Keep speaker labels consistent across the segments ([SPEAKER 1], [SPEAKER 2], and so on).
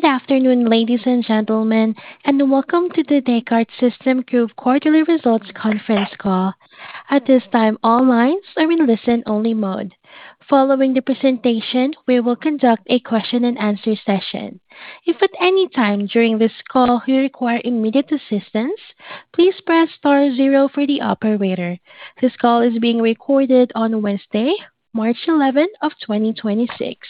[SPEAKER 1] Good afternoon, ladies and gentlemen, and welcome to The Descartes Systems Group quarterly results conference call. At this time, all lines are in listen-only mode. Following the presentation, we will conduct a question and answer session. If at any time during this call you require immediate assistance, please press star zero for the operator. This call is being recorded on Wednesday, March eleventh, 2026.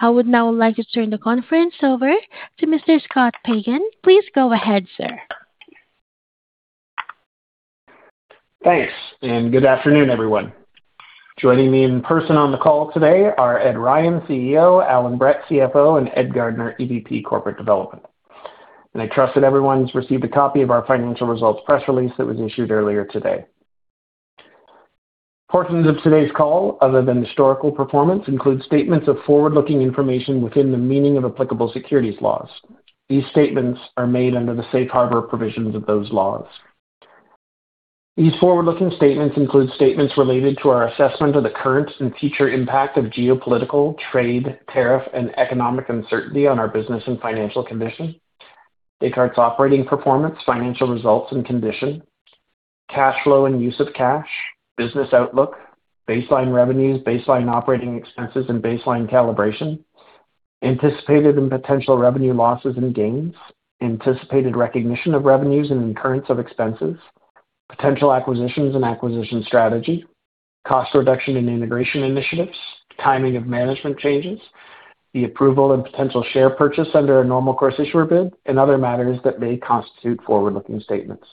[SPEAKER 1] I would now like to turn the conference over to Mr. Scott Pagan. Please go ahead, sir.
[SPEAKER 2] Thanks, and good afternoon, everyone. Joining me in person on the call today are Edward Ryan, CEO, Allan Brett, CFO, and Ed Gardner, EVP Corporate Development. I trust that everyone's received a copy of our financial results press release that was issued earlier today. Portions of today's call, other than historical performance, include statements of forward-looking information within the meaning of applicable securities laws. These statements are made under the safe harbor provisions of those laws. These forward-looking statements include statements related to our assessment of the current and future impact of geopolitical, trade, tariff, and economic uncertainty on our business and financial condition. Descartes' operating performance, financial results and condition, cash flow and use of cash, business outlook, baseline revenues, baseline operating expenses and baseline calibration, anticipated and potential revenue losses and gains, anticipated recognition of revenues and incurrence of expenses, potential acquisitions and acquisition strategy, cost reduction and integration initiatives, timing of management changes, the approval and potential share purchase under a normal course issuer bid, and other matters that may constitute forward-looking statements.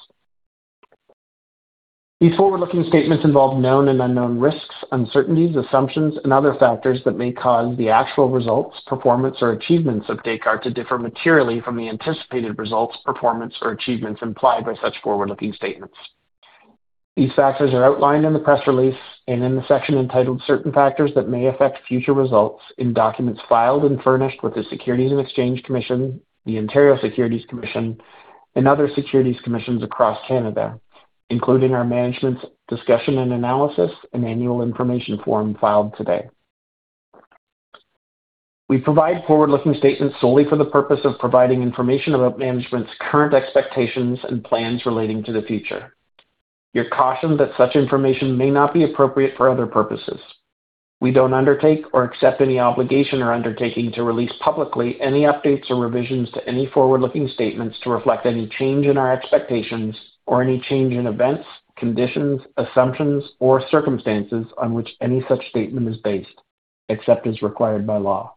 [SPEAKER 2] These forward-looking statements involve known and unknown risks, uncertainties, assumptions, and other factors that may cause the actual results, performance, or achievements of Descartes to differ materially from the anticipated results, performance, or achievements implied by such forward-looking statements. These factors are outlined in the press release and in the section entitled Certain Factors That May Affect Future Results in documents filed and furnished with the Securities and Exchange Commission, the Ontario Securities Commission, and other securities commissions across Canada, including our management's discussion and analysis and annual information form filed today. We provide forward-looking statements solely for the purpose of providing information about management's current expectations and plans relating to the future. You're cautioned that such information may not be appropriate for other purposes. We don't undertake or accept any obligation or undertaking to release publicly any updates or revisions to any forward-looking statements to reflect any change in our expectations or any change in events, conditions, assumptions, or circumstances on which any such statement is based, except as required by law.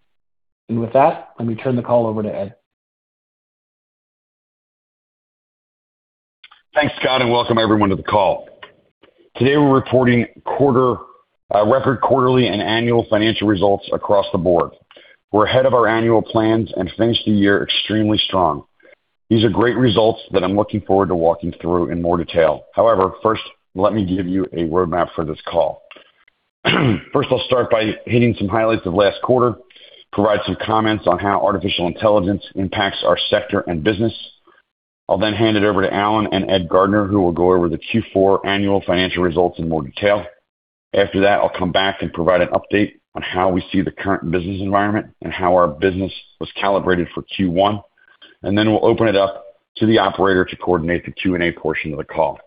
[SPEAKER 2] With that, let me turn the call over to Edward.
[SPEAKER 3] Thanks, Scott, and welcome everyone to the call. Today, we're reporting record quarterly and annual financial results across the board. We're ahead of our annual plans and finished the year extremely strong. These are great results that I'm looking forward to walking through in more detail. However, first, let me give you a roadmap for this call. First, I'll start by hitting some highlights of last quarter, provide some comments on how artificial intelligence impacts our sector and business. I'll then hand it over to Allan and Ed Gardner, who will go over the Q4 annual financial results in more detail. After that, I'll come back and provide an update on how we see the current business environment and how our business was calibrated for Q1. We'll open it up to the operator to coordinate the Q&A portion of the call.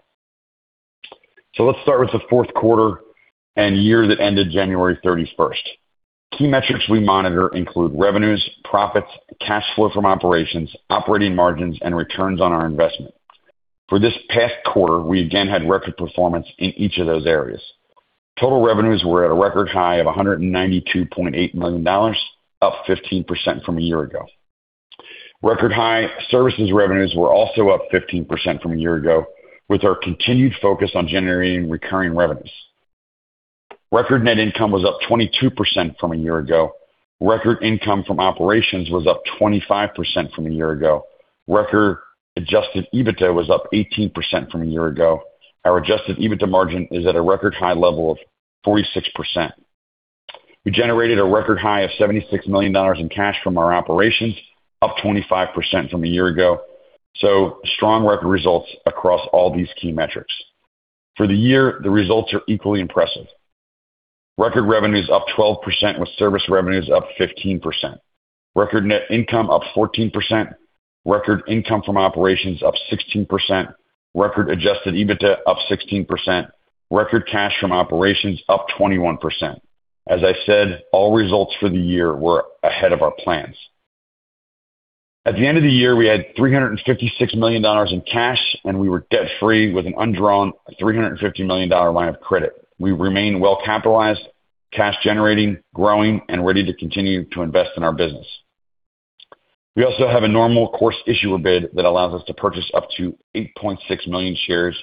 [SPEAKER 3] Let's start with the fourth quarter and year that ended January 31st. Key metrics we monitor include revenues, profits, cash flow from operations, operating margins, and returns on our investment. For this past quarter, we again had record performance in each of those areas. Total revenues were at a record high of $192.8 million, up 15% from a year ago. Record high services revenues were also up 15% from a year ago, with our continued focus on generating recurring revenues. Record net income was up 22% from a year ago. Record income from operations was up 25% from a year ago. Record adjusted EBITDA was up 18% from a year ago. Our adjusted EBITDA margin is at a record high level of 46%. We generated a record high of $76 million in cash from our operations, up 25% from a year ago. Strong record results across all these key metrics. For the year, the results are equally impressive. Record revenues up 12%, with service revenues up 15%. Record net income up 14%. Record income from operations up 16%. Record adjusted EBITDA up 16%. Record cash from operations up 21%. As I said, all results for the year were ahead of our plans. At the end of the year, we had $356 million in cash, and we were debt-free with an undrawn $350 million line of credit. We remain well-capitalized, cash generating, growing, and ready to continue to invest in our business. We also have a normal course issuer bid that allows us to purchase up to 8.6 million shares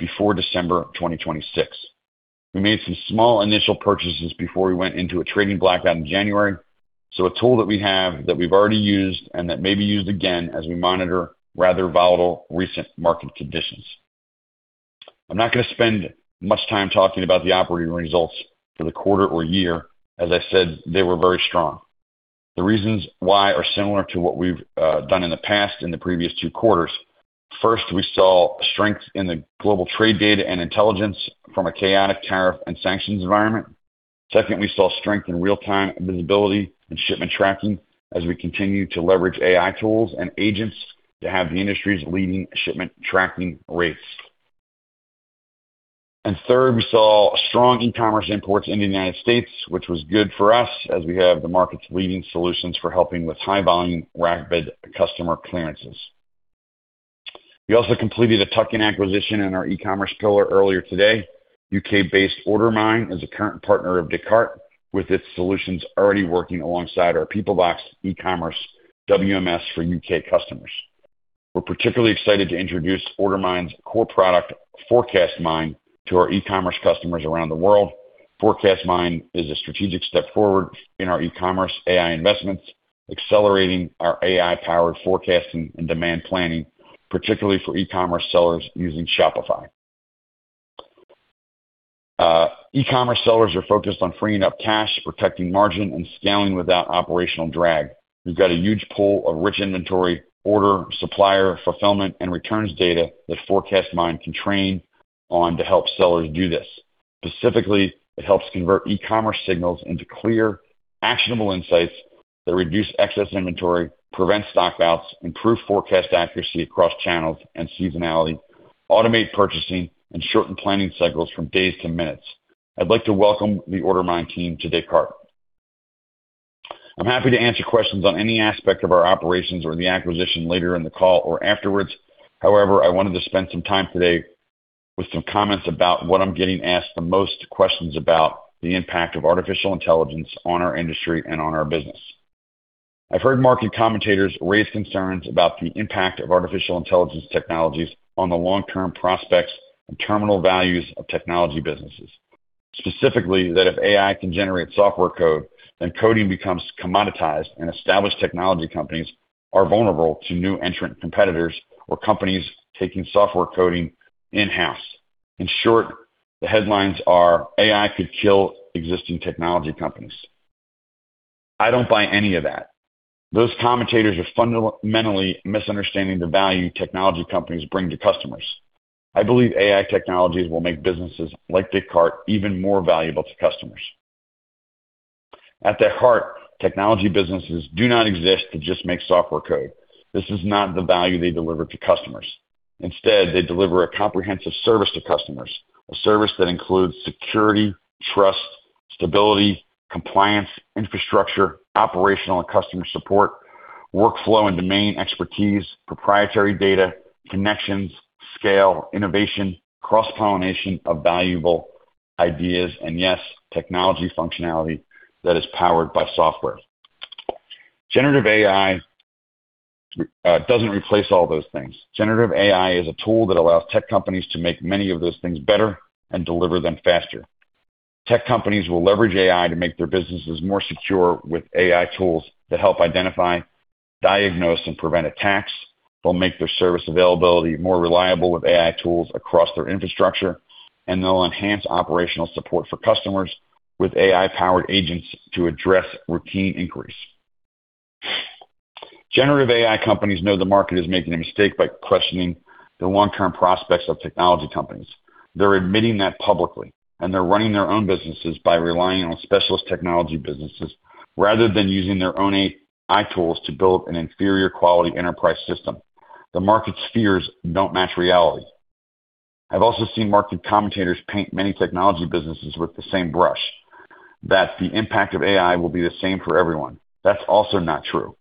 [SPEAKER 3] before December 2026. We made some small initial purchases before we went into a trading blackout in January, so a tool that we have, that we've already used, and that may be used again as we monitor rather volatile recent market conditions. I'm not gonna spend much time talking about the operating results for the quarter or year. As I said, they were very strong. The reasons why are similar to what we've done in the past in the previous two quarters. First, we saw strength in the global trade data and intelligence from a chaotic tariff and sanctions environment. Second, we saw strength in real-time visibility and shipment tracking as we continue to leverage AI tools and agents to have the industry's leading shipment tracking rates. Third, we saw strong e-commerce imports in the United States, which was good for us as we have the market's leading solutions for helping with high-volume rapid customer clearances. We also completed a tuck-in acquisition in our e-commerce pillar earlier today. U.K.-based OrderMine is a current partner of Descartes, with its solutions already working alongside our Peoplevox e-commerce WMS for U.K. customers. We're particularly excited to introduce OrderMine's core product, ForecastMine, to our e-commerce customers around the world. ForecastMine is a strategic step forward in our e-commerce AI investments, accelerating our AI-powered forecasting and demand planning, particularly for e-commerce sellers using Shopify. E-commerce sellers are focused on freeing up cash, protecting margin, and scaling without operational drag. We've got a huge pool of rich inventory, order, supplier, fulfillment, and returns data that ForecastMine can train on to help sellers do this. Specifically, it helps convert e-commerce signals into clear, actionable insights that reduce excess inventory, prevent stock outs, improve forecast accuracy across channels and seasonality, automate purchasing, and shorten planning cycles from days to minutes. I'd like to welcome the OrderMine team to Descartes. I'm happy to answer questions on any aspect of our operations or the acquisition later in the call or afterwards. However, I wanted to spend some time today with some comments about what I'm getting asked the most questions about the impact of artificial intelligence on our industry and on our business. I've heard market commentators raise concerns about the impact of artificial intelligence technologies on the long-term prospects and terminal values of technology businesses. Specifically, that if AI can generate software code, then coding becomes commoditized and established technology companies are vulnerable to new entrant competitors or companies taking software coding in-house. In short, the headlines are, "AI could kill existing technology companies." I don't buy any of that. Those commentators are fundamentally misunderstanding the value technology companies bring to customers. I believe AI technologies will make businesses like Descartes even more valuable to customers. At their heart, technology businesses do not exist to just make software code. This is not the value they deliver to customers. Instead, they deliver a comprehensive service to customers. A service that includes security, trust, stability, compliance, infrastructure, operational and customer support, workflow and domain expertise, proprietary data, connections, scale, innovation, cross-pollination of valuable ideas, and yes, technology functionality that is powered by software. Generative AI doesn't replace all those things. Generative AI is a tool that allows tech companies to make many of those things better and deliver them faster. Tech companies will leverage AI to make their businesses more secure with AI tools that help identify, diagnose, and prevent attacks. They'll make their service availability more reliable with AI tools across their infrastructure, and they'll enhance operational support for customers with AI-powered agents to address routine inquiries. Generative AI companies know the market is making a mistake by questioning the long-term prospects of technology companies. They're admitting that publicly, and they're running their own businesses by relying on specialist technology businesses rather than using their own AI tools to build an inferior quality enterprise system. The market's fears don't match reality. I've also seen market commentators paint many technology businesses with the same brush, that the impact of AI will be the same for everyone. That's also not true.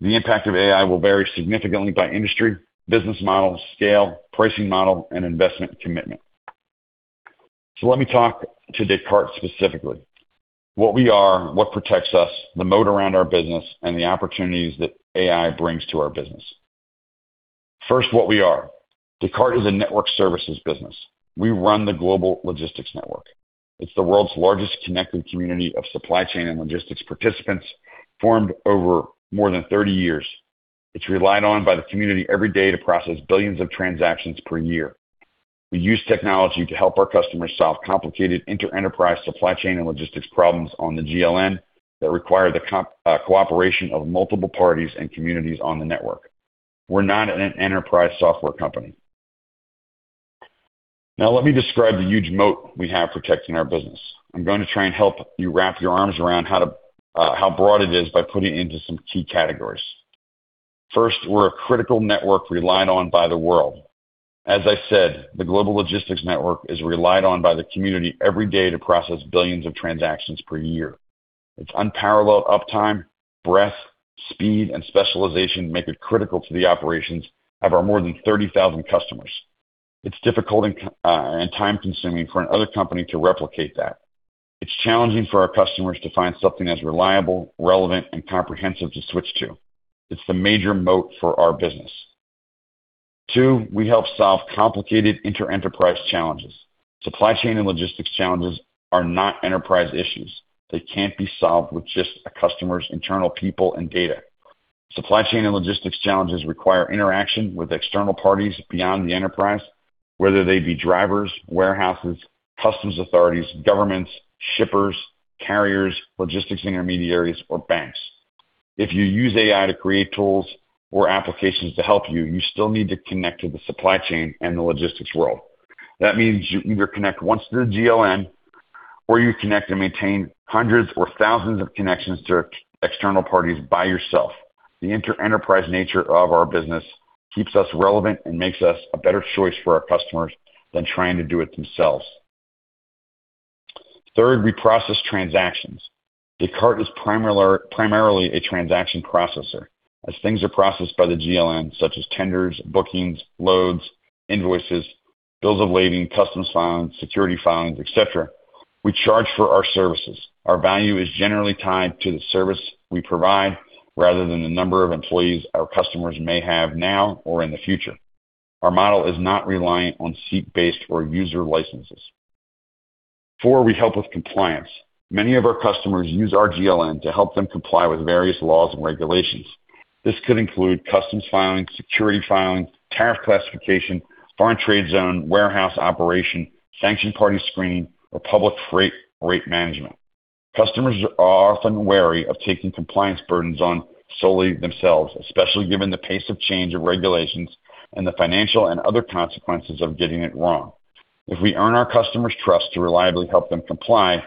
[SPEAKER 3] The impact of AI will vary significantly by industry, business model, scale, pricing model, and investment commitment. Let me talk to Descartes specifically. What we are, what protects us, the moat around our business, and the opportunities that AI brings to our business. First, what we are. Descartes is a network services business. We run the Global Logistics Network. It's the world's largest connected community of supply chain and logistics participants, formed over more than 30 years. It's relied on by the community every day to process billions of transactions per year. We use technology to help our customers solve complicated inter-enterprise supply chain and logistics problems on the GLN that require the cooperation of multiple parties and communities on the network. We're not an enterprise software company. Now, let me describe the huge moat we have protecting our business. I'm going to try and help you wrap your arms around how broad it is by putting it into some key categories. First, we're a critical network relied on by the world. As I said, the Global Logistics Network is relied on by the community every day to process billions of transactions per year. Its unparalleled uptime, breadth, speed, and specialization make it critical to the operations of our more than 30,000 customers. It's difficult and time-consuming for another company to replicate that. It's challenging for our customers to find something as reliable, relevant, and comprehensive to switch to. It's the major moat for our business. Two, we help solve complicated inter-enterprise challenges. Supply chain and logistics challenges are not enterprise issues. They can't be solved with just a customer's internal people and data. Supply chain and logistics challenges require interaction with external parties beyond the enterprise, whether they be drivers, warehouses, customs authorities, governments, shippers, carriers, logistics intermediaries, or banks. If you use AI to create tools or applications to help you still need to connect to the supply chain and the logistics world. That means you either connect once to the GLN or you connect and maintain hundreds or thousands of connections to external parties by yourself. The inter-enterprise nature of our business keeps us relevant and makes us a better choice for our customers than trying to do it themselves. Third, we process transactions. Descartes is primarily a transaction processor. As things are processed by the GLN, such as tenders, bookings, loads, invoices, bills of lading, customs filings, security filings, et cetera, we charge for our services. Our value is generally tied to the service we provide rather than the number of employees our customers may have now or in the future. Our model is not reliant on seat-based or user licenses. Four, we help with compliance. Many of our customers use our GLN to help them comply with various laws and regulations. This could include customs filings, security filings, tariff classification, foreign trade zone, warehouse operation, denied party screening, or public freight rate management. Customers are often wary of taking compliance burdens on solely themselves, especially given the pace of change of regulations and the financial and other consequences of getting it wrong. If we earn our customer's trust to reliably help them comply,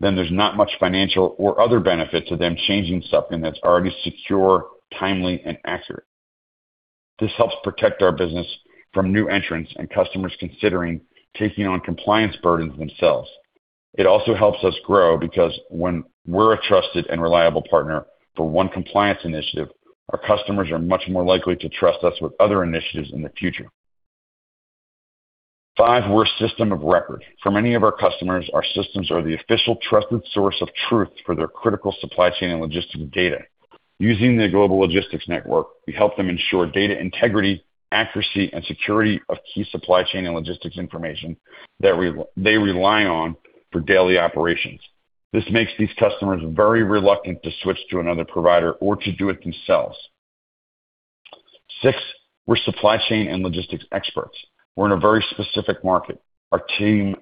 [SPEAKER 3] then there's not much financial or other benefit to them changing something that's already secure, timely, and accurate. This helps protect our business from new entrants and customers considering taking on compliance burdens themselves. It also helps us grow because when we're a trusted and reliable partner for one compliance initiative, our customers are much more likely to trust us with other initiatives in the future. Five, we're a system of record. For many of our customers, our systems are the official trusted source of truth for their critical supply chain and logistics data. Using the Global Logistics Network, we help them ensure data integrity, accuracy, and security of key supply chain and logistics information that they rely on for daily operations. This makes these customers very reluctant to switch to another provider or to do it themselves. Six, we're supply chain and logistics experts. We're in a very specific market. Our team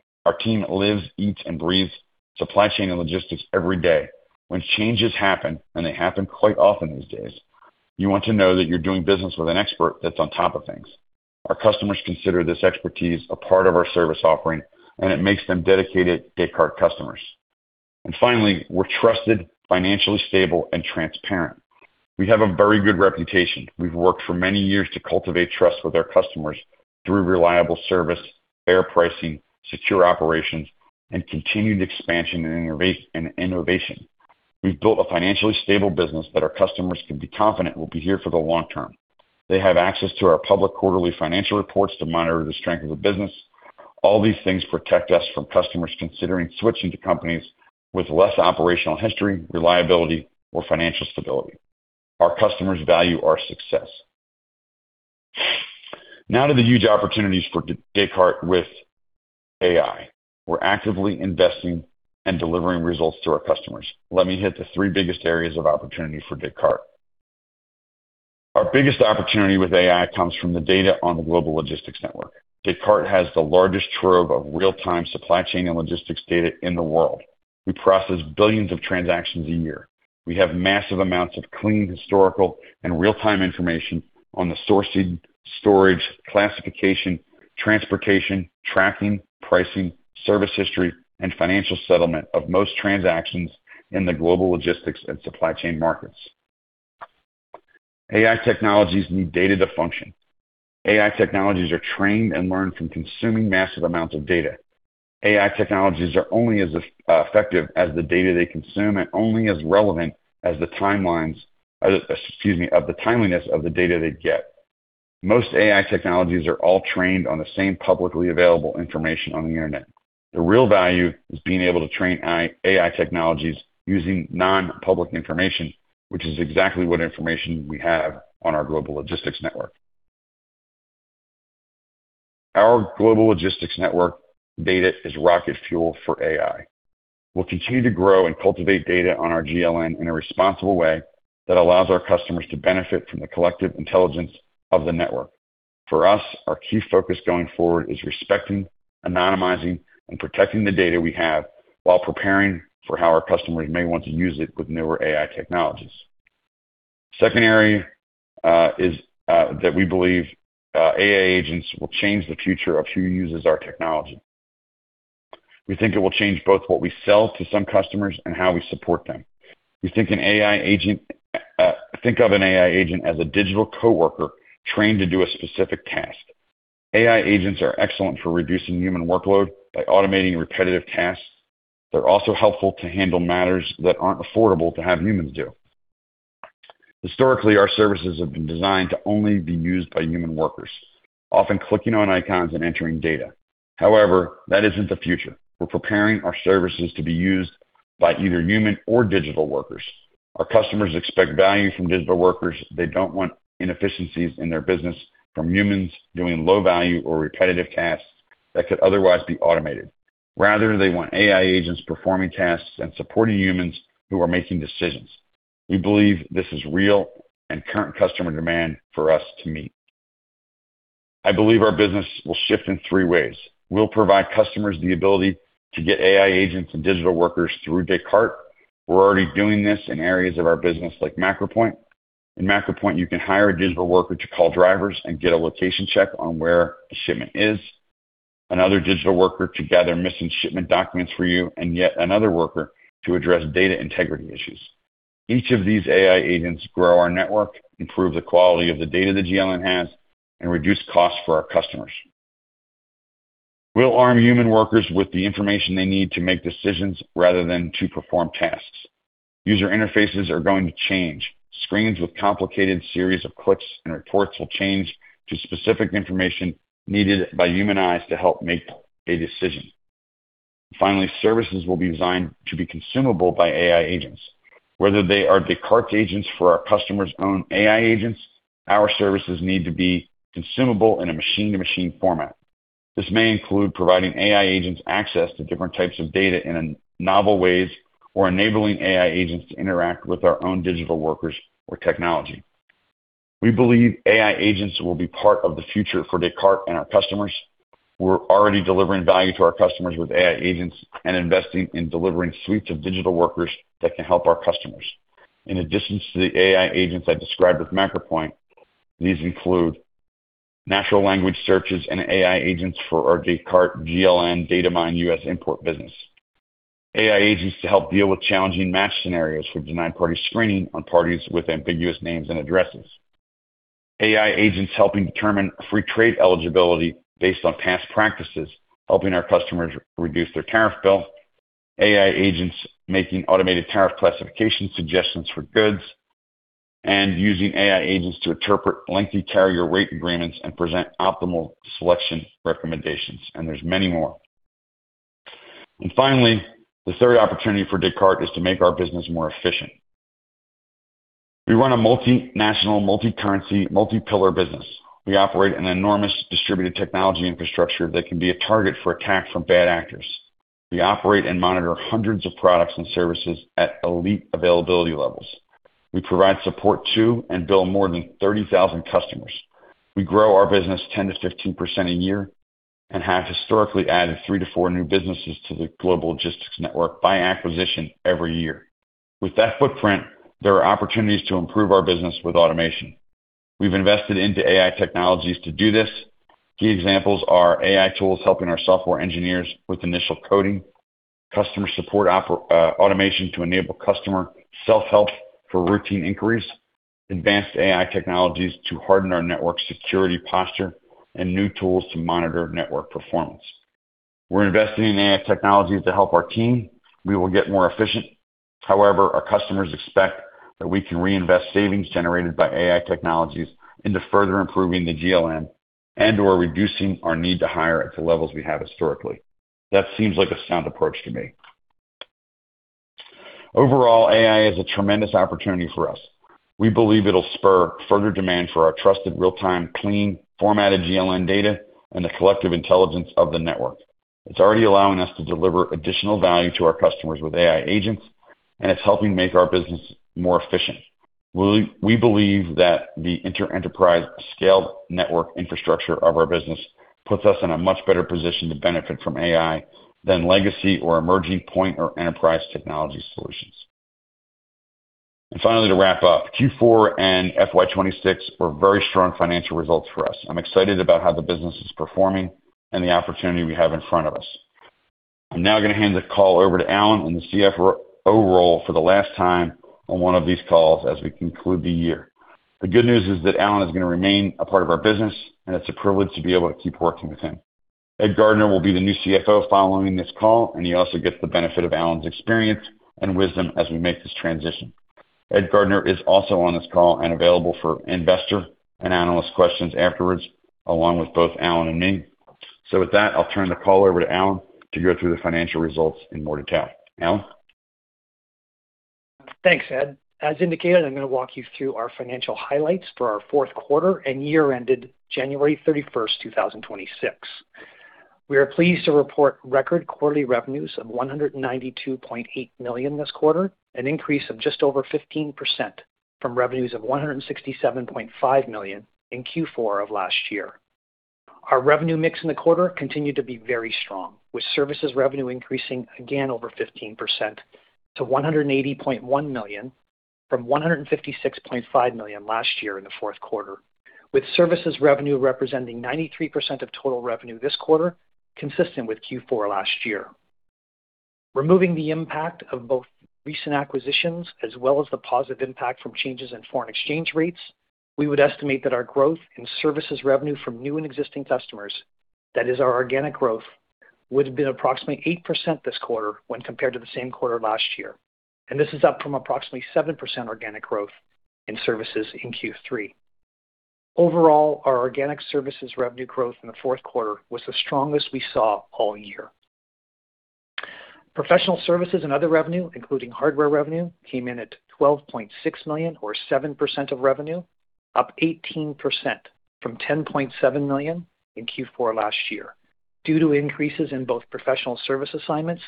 [SPEAKER 3] lives, eats, and breathes supply chain and logistics every day. When changes happen, and they happen quite often these days, you want to know that you're doing business with an expert that's on top of things. Our customers consider this expertise a part of our service offering, and it makes them dedicated Descartes customers. Finally, we're trusted, financially stable, and transparent. We have a very good reputation. We've worked for many years to cultivate trust with our customers through reliable service, fair pricing, secure operations, and continued expansion and innovation. We've built a financially stable business that our customers can be confident will be here for the long term. They have access to our public quarterly financial reports to monitor the strength of the business. All these things protect us from customers considering switching to companies with less operational history, reliability, or financial stability. Our customers value our success. Now to the huge opportunities for Descartes with AI. We're actively investing and delivering results to our customers. Let me hit the three biggest areas of opportunity for Descartes. Our biggest opportunity with AI comes from the data on the Global Logistics Network. Descartes has the largest trove of real-time supply chain and logistics data in the world. We process billions of transactions a year. We have massive amounts of clean, historical, and real-time information on the sourcing, storage, classification, transportation, tracking, pricing, service history, and financial settlement of most transactions in the global logistics and supply chain markets. AI technologies need data to function. AI technologies are trained and learn from consuming massive amounts of data. AI technologies are only as effective as the data they consume and only as relevant as the timeliness of the data they get. Most AI technologies are all trained on the same publicly available information on the internet. The real value is being able to train AI technologies using non-public information, which is exactly what information we have on our Global Logistics Network. Our Global Logistics Network data is rocket fuel for AI. We'll continue to grow and cultivate data on our GLN in a responsible way that allows our customers to benefit from the collective intelligence of the network. For us, our key focus going forward is respecting, anonymizing, and protecting the data we have while preparing for how our customers may want to use it with newer AI technologies. Secondary, is, that we believe, AI agents will change the future of who uses our technology. We think it will change both what we sell to some customers and how we support them. We think of an AI agent as a digital coworker trained to do a specific task. AI agents are excellent for reducing human workload by automating repetitive tasks. They're also helpful to handle matters that aren't affordable to have humans do. Historically, our services have been designed to only be used by human workers, often clicking on icons and entering data. However, that isn't the future. We're preparing our services to be used by either human or digital workers. Our customers expect value from digital workers. They don't want inefficiencies in their business from humans doing low value or repetitive tasks that could otherwise be automated. Rather, they want AI agents performing tasks and supporting humans who are making decisions. We believe this is real and current customer demand for us to meet. I believe our business will shift in three ways. We'll provide customers the ability to get AI agents and digital workers through Descartes. We're already doing this in areas of our business like MacroPoint. In MacroPoint, you can hire a digital worker to call drivers and get a location check on where the shipment is, another digital worker to gather missing shipment documents for you, and yet another worker to address data integrity issues. Each of these AI agents grow our network, improve the quality of the data the GLN has, and reduce costs for our customers. We'll arm human workers with the information they need to make decisions rather than to perform tasks. User interfaces are going to change. Screens with complicated series of clicks and reports will change to specific information needed by human eyes to help make a decision. Finally, services will be designed to be consumable by AI agents. Whether they are Descartes agents for our customers' own AI agents, our services need to be consumable in a machine-to-machine format. This may include providing AI agents access to different types of data in novel ways or enabling AI agents to interact with our own digital workers or technology. We believe AI agents will be part of the future for Descartes and our customers. We're already delivering value to our customers with AI agents and investing in delivering suites of digital workers that can help our customers. In addition to the AI agents I described with MacroPoint, these include natural language searches and AI agents for our Descartes GLN Datamyne US import business. AI agents to help deal with challenging match scenarios for denied party screening on parties with ambiguous names and addresses. AI agents helping determine free trade eligibility based on past practices, helping our customers reduce their tariff bill. AI agents making automated tariff classification suggestions for goods, and using AI agents to interpret lengthy carrier rate agreements and present optimal selection recommendations. There's many more. Finally, the third opportunity for Descartes is to make our business more efficient. We run a multinational, multicurrency, multi-pillar business. We operate an enormous distributed technology infrastructure that can be a target for attack from bad actors. We operate and monitor hundreds of products and services at elite availability levels. We provide support to and bill more than 30,000 customers. We grow our business 10%-15% a year and have historically added 3-4 new businesses to the Global Logistics Network by acquisition every year. With that footprint, there are opportunities to improve our business with automation. We've invested into AI technologies to do this. Key examples are AI tools helping our software engineers with initial coding, customer support automation to enable customer self-help for routine inquiries, advanced AI technologies to harden our network security posture, and new tools to monitor network performance. We're investing in AI technologies to help our team. We will get more efficient. However, our customers expect that we can reinvest savings generated by AI technologies into further improving the GLN and/or reducing our need to hire at the levels we have historically. That seems like a sound approach to me. Overall, AI is a tremendous opportunity for us. We believe it'll spur further demand for our trusted real-time, clean, formatted GLN data and the collective intelligence of the network. It's already allowing us to deliver additional value to our customers with AI agents, and it's helping make our business more efficient. We believe that the inter-enterprise scaled network infrastructure of our business puts us in a much better position to benefit from AI than legacy or emerging point or enterprise technology solutions. Finally, to wrap up. Q4 and FY 2026 were very strong financial results for us. I'm excited about how the business is performing and the opportunity we have in front of us. I'm now gonna hand the call over to Allan in the CFO role for the last time on one of these calls as we conclude the year. The good news is that Allan is gonna remain a part of our business, and it's a privilege to be able to keep working with him. Ed Gardner will be the new CFO following this call, and he also gets the benefit of Allan's experience and wisdom as we make this transition. Ed Gardner is also on this call and available for investor and analyst questions afterwards, along with both Allan and me. With that, I'll turn the call over to Allan to go through the financial results in more detail. Allan?
[SPEAKER 4] Thanks, Edward. As indicated, I'm gonna walk you through our financial highlights for our fourth quarter and year ended January 31, 2026. We are pleased to report record quarterly revenues of $192.8 million this quarter, an increase of just over 15% from revenues of $167.5 million in Q4 of last year. Our revenue mix in the quarter continued to be very strong, with services revenue increasing again over 15% to $180.1 million from $156.5 million last year in the fourth quarter, with services revenue representing 93% of total revenue this quarter, consistent with Q4 last year. Removing the impact of both recent acquisitions as well as the positive impact from changes in foreign exchange rates, we would estimate that our growth in services revenue from new and existing customers, that is our organic growth, would have been approximately 8% this quarter when compared to the same quarter last year. This is up from approximately 7% organic growth in services in Q3. Overall, our organic services revenue growth in the fourth quarter was the strongest we saw all year. Professional services and other revenue, including hardware revenue, came in at $12.6 million or 7% of revenue, up 18% from $10.7 million in Q4 last year. Due to increases in both professional service assignments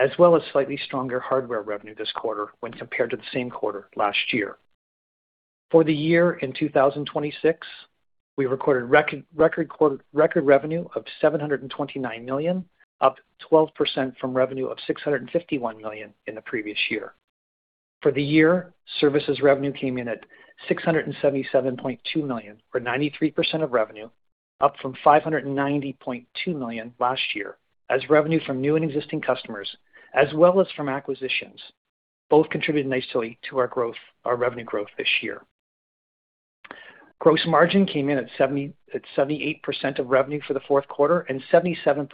[SPEAKER 4] as well as slightly stronger hardware revenue this quarter when compared to the same quarter last year. For the year in 2026, we recorded record revenue of $729 million, up 12% from revenue of $651 million in the previous year. For the year, services revenue came in at $677.2 million, or 93% of revenue, up from $590.2 million last year, as revenue from new and existing customers as well as from acquisitions both contributed nicely to our growth, our revenue growth this year. Gross margin came in at 78% of revenue for the fourth quarter and 77%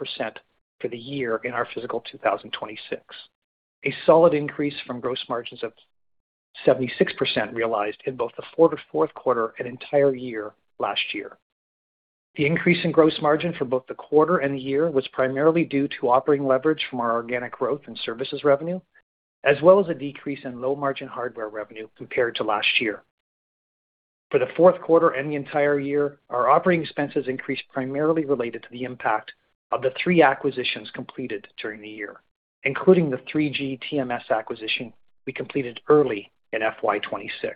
[SPEAKER 4] for the year in our fiscal 2026. A solid increase from gross margins of 76% realized in both the fourth quarter and entire year last year. The increase in gross margin for both the quarter and the year was primarily due to operating leverage from our organic growth in services revenue, as well as a decrease in low margin hardware revenue compared to last year. For the fourth quarter and the entire year, our operating expenses increased primarily related to the impact of the three acquisitions completed during the year, including the 3GTMS acquisition we completed early in FY 2026.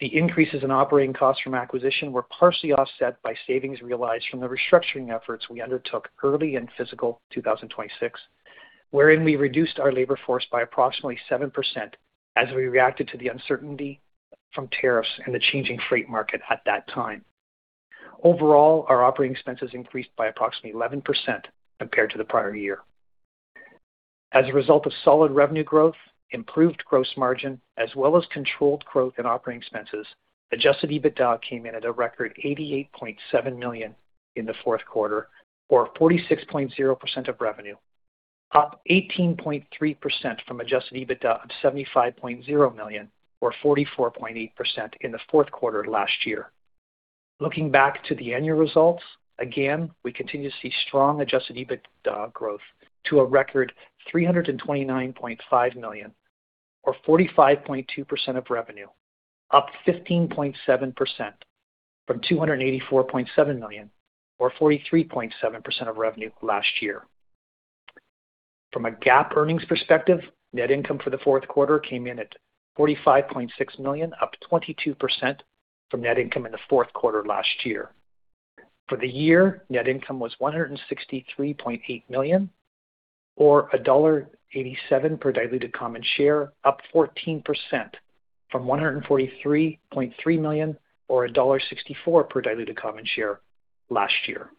[SPEAKER 4] The increases in operating costs from acquisition were partially offset by savings realized from the restructuring efforts we undertook early in fiscal 2026, wherein we reduced our labor force by approximately 7% as we reacted to the uncertainty from tariffs and the changing freight market at that time. Overall, our operating expenses increased by approximately 11% compared to the prior year. As a result of solid revenue growth, improved gross margin, as well as controlled growth in operating expenses, adjusted EBITDA came in at a record $88.7 million in the fourth quarter, or 46.0% of revenue, up 18.3% from adjusted EBITDA of $75.0 million or 44.8% in the fourth quarter last year. Looking back to the annual results, again, we continue to see strong adjusted EBITDA growth to a record $329.5 million or 45.2% of revenue, up 15.7% from $284.7 million or 43.7% of revenue last year. From a GAAP earnings perspective, net income for the fourth quarter came in at $45.6 million, up 22% from net income in the fourth quarter last year. For the year, net income was $163.8 million or $1.87 per diluted common share, up 14% from $143.3 million or $1.64 per diluted common share last year.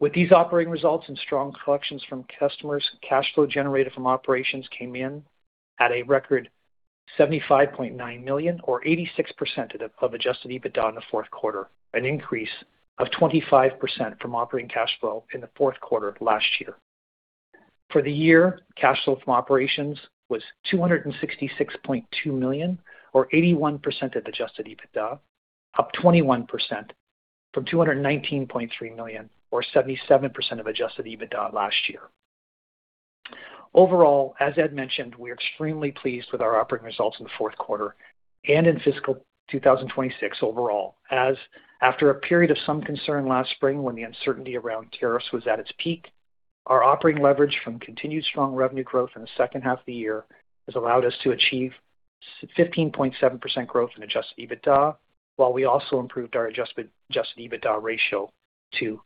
[SPEAKER 4] With these operating results and strong collections from customers, cash flow generated from operations came in at a record $75.9 million or 86% of adjusted EBITDA in the fourth quarter, an increase of 25% from operating cash flow in the fourth quarter last year. For the year, cash flow from operations was $266.2 million or 81% of adjusted EBITDA, up 21% from $219.3 million or 77% of adjusted EBITDA last year. Overall, as Ed mentioned, we are extremely pleased with our operating results in the fourth quarter and in fiscal 2026 overall. After a period of some concern last spring when the uncertainty around tariffs was at its peak, our operating leverage from continued strong revenue growth in the second half of the year has allowed us to achieve 15.7% growth in adjusted EBITDA. We also improved our adjusted EBITDA ratio to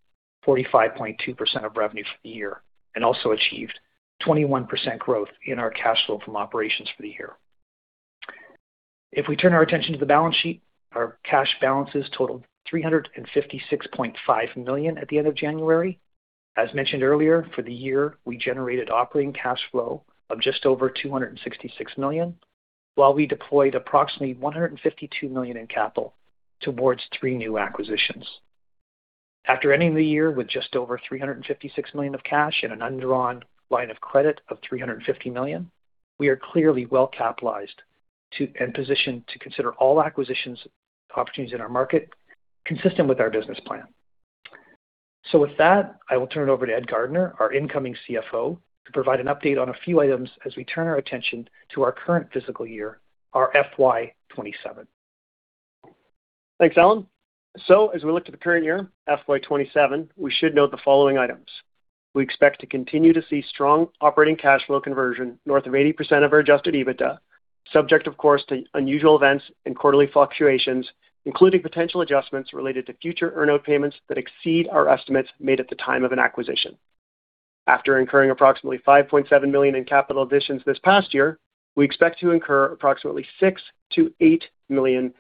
[SPEAKER 4] 45.2% of revenue for the year and also achieved 21% growth in our cash flow from operations for the year. If we turn our attention to the balance sheet, our cash balances totaled $356.5 million at the end of January. As mentioned earlier, for the year, we generated operating cash flow of just over $266 million, while we deployed approximately $152 million in capital towards three new acquisitions. After ending the year with just over $356 million of cash and an undrawn line of credit of $350 million, we are clearly well capitalized and positioned to consider all acquisitions opportunities in our market consistent with our business plan. With that, I will turn it over to Ed Gardner, our incoming CFO, to provide an update on a few items as we turn our attention to our current fiscal year, our FY 2027.
[SPEAKER 5] Thanks, Allan. As we look to the current year, FY 2027, we should note the following items. We expect to continue to see strong operating cash flow conversion north of 80% of our adjusted EBITDA, subject of course, to unusual events and quarterly fluctuations, including potential adjustments related to future earn-out payments that exceed our estimates made at the time of an acquisition. After incurring approximately $5.7 million in capital additions this past year, we expect to incur approximately $6-$8 million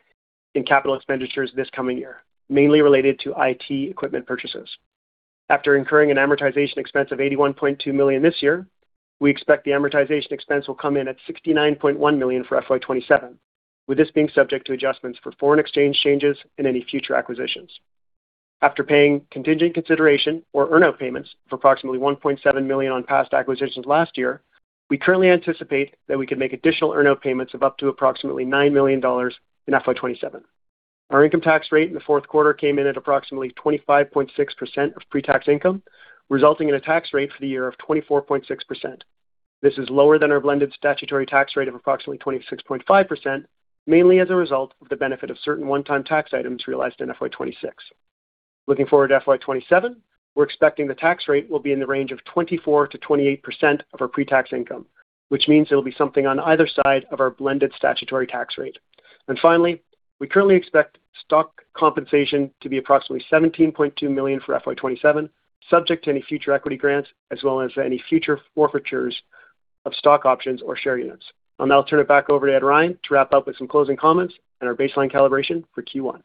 [SPEAKER 5] in capital expenditures this coming year, mainly related to IT equipment purchases. After incurring an amortization expense of $81.2 million this year, we expect the amortization expense will come in at $69.1 million for FY 2027, with this being subject to adjustments for foreign exchange changes and any future acquisitions. After paying contingent consideration or earn-out payments of approximately $1.7 million on past acquisitions last year, we currently anticipate that we could make additional earn-out payments of up to approximately $9 million in FY 2027. Our income tax rate in the fourth quarter came in at approximately 25.6% of pre-tax income, resulting in a tax rate for the year of 24.6%. This is lower than our blended statutory tax rate of approximately 26.5%, mainly as a result of the benefit of certain one-time tax items realized in FY 2026. Looking forward to FY 2027, we're expecting the tax rate will be in the range of 24%-28% of our pre-tax income, which means it'll be something on either side of our blended statutory tax rate. Finally, we currently expect stock compensation to be approximately $17.2 million for FY 2027, subject to any future equity grants as well as any future forfeitures of stock options or share units. I'll now turn it back over to Ed Ryan to wrap up with some closing comments and our baseline calibration for Q1.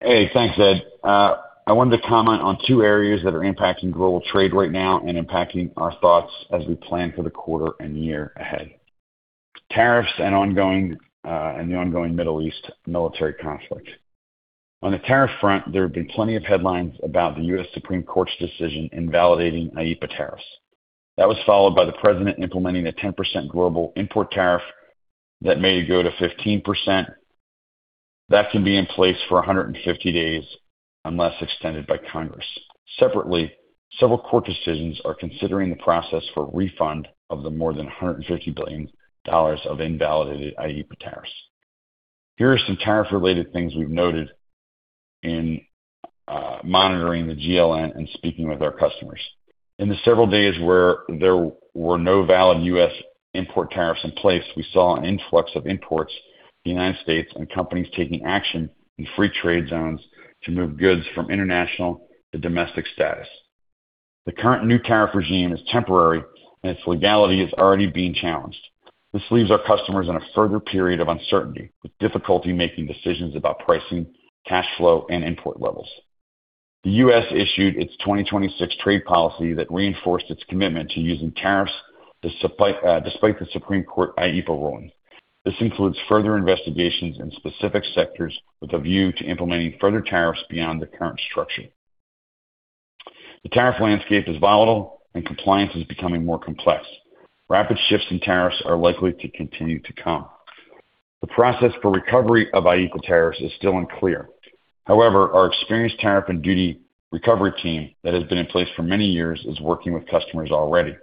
[SPEAKER 3] Hey, thanks, Ed. I wanted to comment on two areas that are impacting global trade right now and impacting our thoughts as we plan for the quarter and year ahead. Tariffs and the ongoing Middle East military conflict. On the tariff front, there have been plenty of headlines about the U.S. Supreme Court's decision invalidating IEPA tariffs. That was followed by the president implementing a 10% global import tariff that may go to 15%. That can be in place for 150 days unless extended by Congress. Separately, several court decisions are considering the process for refund of the more than $150 billion of invalidated IEPA tariffs. Here are some tariff-related things we've noted in monitoring the GLN and speaking with our customers. In the several days where there were no valid U.S. import tariffs in place, we saw an influx of imports to the United States and companies taking action in free trade zones to move goods from international to domestic status. The current new tariff regime is temporary, and its legality is already being challenged. This leaves our customers in a further period of uncertainty, with difficulty making decisions about pricing, cash flow, and import levels. The U.S. issued its 2026 trade policy that reinforced its commitment to using tariffs despite the Supreme Court IEPA ruling. This includes further investigations in specific sectors with a view to implementing further tariffs beyond the current structure. The tariff landscape is volatile and compliance is becoming more complex. Rapid shifts in tariffs are likely to continue to come. The process for recovery of IEPA tariffs is still unclear. However, our experienced tariff and duty recovery team that has been in place for many years is working with customers already.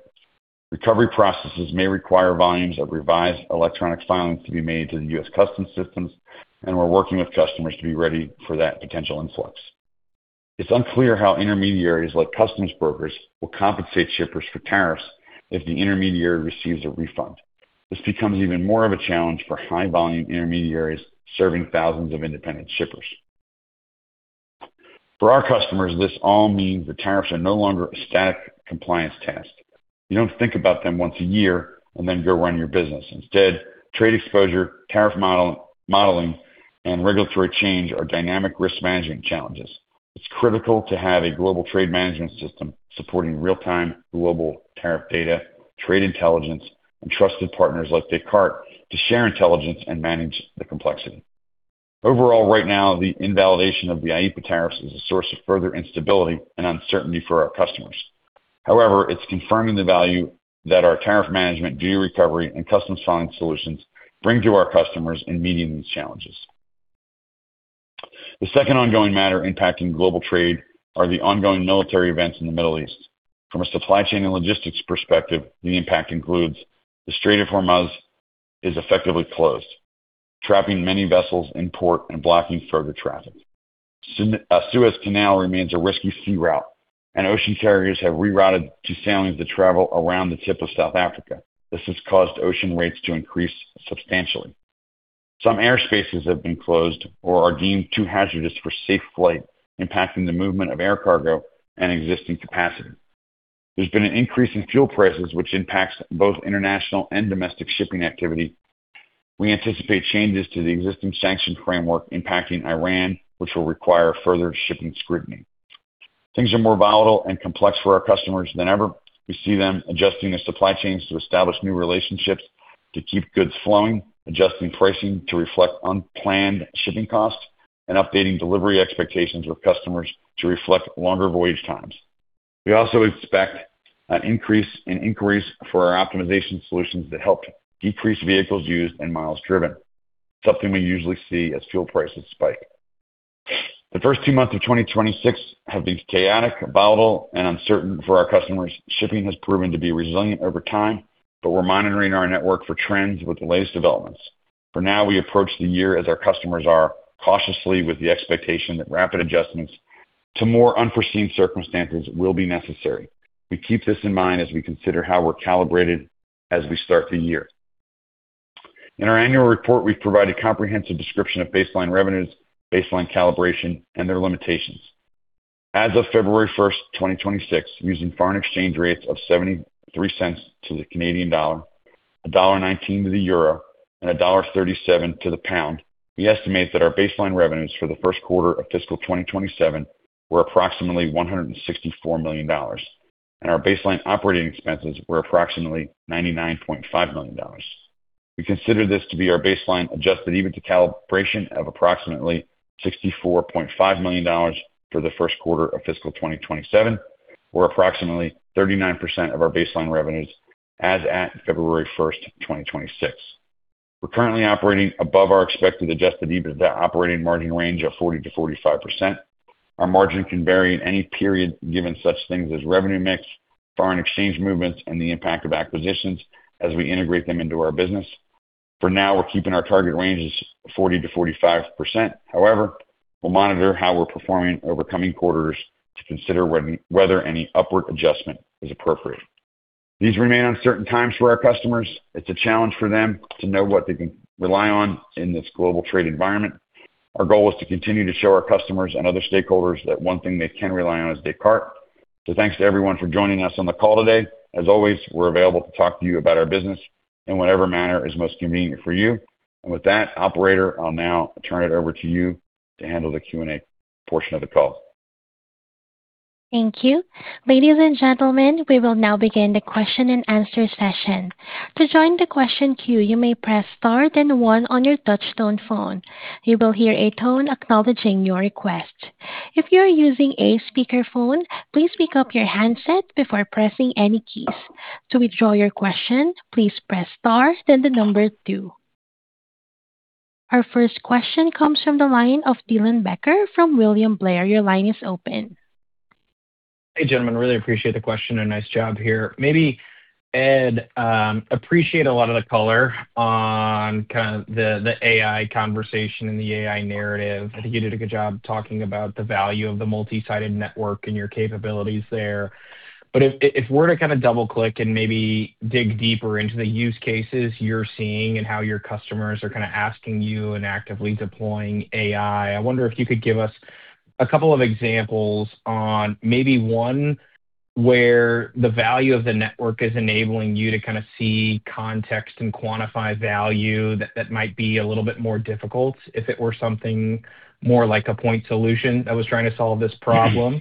[SPEAKER 3] Recovery processes may require volumes of revised electronic filings to be made to the U.S. customs systems, and we're working with customers to be ready for that potential influx. It's unclear how intermediaries like customs brokers will compensate shippers for tariffs if the intermediary receives a refund. This becomes even more of a challenge for high-volume intermediaries serving thousands of independent shippers. For our customers, this all means that tariffs are no longer a static compliance test. You don't think about them once a year and then go run your business. Instead, trade exposure, tariff modeling, and regulatory change are dynamic risk management challenges. It's critical to have a global trade management system supporting real-time global tariff data, trade intelligence, and trusted partners like Descartes to share intelligence and manage the complexity. Overall, right now, the invalidation of the IEPA tariffs is a source of further instability and uncertainty for our customers. However, it's confirming the value that our tariff management, duty recovery, and customs filing solutions bring to our customers in meeting these challenges. The second ongoing matter impacting global trade are the ongoing military events in the Middle East. From a supply chain and logistics perspective, the impact includes the Strait of Hormuz is effectively closed, trapping many vessels in port and blocking further traffic. Suez Canal remains a risky sea route, and ocean carriers have rerouted to sailings that travel around the tip of South Africa. This has caused ocean rates to increase substantially. Some airspaces have been closed or are deemed too hazardous for safe flight, impacting the movement of air cargo and existing capacity. There's been an increase in fuel prices, which impacts both international and domestic shipping activity. We anticipate changes to the existing sanction framework impacting Iran, which will require further shipping scrutiny. Things are more volatile and complex for our customers than ever. We see them adjusting their supply chains to establish new relationships to keep goods flowing, adjusting pricing to reflect unplanned shipping costs, and updating delivery expectations with customers to reflect longer voyage times. We also expect an increase in inquiries for our optimization solutions that help decrease vehicles used and miles driven, something we usually see as fuel prices spike. The first two months of 2026 have been chaotic, volatile, and uncertain for our customers. Shipping has proven to be resilient over time, but we're monitoring our network for trends with the latest developments. For now, we approach the year as our customers are, cautiously with the expectation that rapid adjustments to more unforeseen circumstances will be necessary. We keep this in mind as we consider how we're calibrated as we start the year. In our annual report, we provide a comprehensive description of baseline revenues, baseline calibration, and their limitations. As of February 1, 2026, using foreign exchange rates of 73 cents to the Canadian dollar, $1.19 to the euro, and $1.37 to the pound, we estimate that our baseline revenues for the first quarter of fiscal 2027 were approximately $164 million, and our baseline operating expenses were approximately $99.5 million. We consider this to be our baseline adjusted EBITDA calibration of approximately $64.5 million for the first quarter of fiscal 2027, or approximately 39% of our baseline revenues as at February 1, 2026. We're currently operating above our expected adjusted EBITDA operating margin range of 40%-45%. Our margin can vary in any period, given such things as revenue mix, foreign exchange movements, and the impact of acquisitions as we integrate them into our business. For now, we're keeping our target range 40%-45%. However, we'll monitor how we're performing over coming quarters to consider whether any upward adjustment is appropriate. These remain uncertain times for our customers. It's a challenge for them to know what they can rely on in this global trade environment. Our goal is to continue to show our customers and other stakeholders that one thing they can rely on is Descartes. Thanks to everyone for joining us on the call today. As always, we're available to talk to you about our business in whatever manner is most convenient for you. With that, operator, I'll now turn it over to you to handle the Q&A portion of the call.
[SPEAKER 1] Thank you. Ladies and gentlemen, we will now begin the question-and-answer session. To join the question queue, you may press star then one on your touchtone phone. You will hear a tone acknowledging your request. If you are using a speakerphone, please pick up your handset before pressing any keys. To withdraw your question, please press star, then the number two. Our first question comes from the line of Dylan Becker from William Blair. Your line is open.
[SPEAKER 6] Hey, gentlemen, really appreciate the question and nice job here. Maybe, Edward, appreciate a lot of the color on kind of the AI conversation and the AI narrative. I think you did a good job talking about the value of the multi-sided network and your capabilities there. If we're to kind of double-click and maybe dig deeper into the use cases you're seeing and how your customers are kind of asking you and actively deploying AI, I wonder if you could give us a couple of examples on maybe one where the value of the network is enabling you to kind of see context and quantify value that might be a little bit more difficult if it were something more like a point solution that was trying to solve this problem.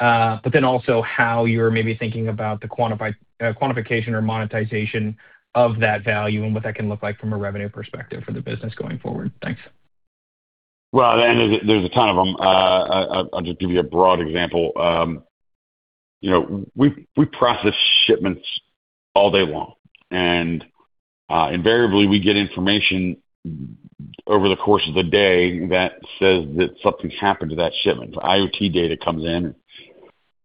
[SPEAKER 6] how you're maybe thinking about the quantification or monetization of that value and what that can look like from a revenue perspective for the business going forward. Thanks.
[SPEAKER 3] Well, there's a ton of them. I'll just give you a broad example. You know, we process shipments all day long, and invariably, we get information over the course of the day that says that something's happened to that shipment. IoT data comes in,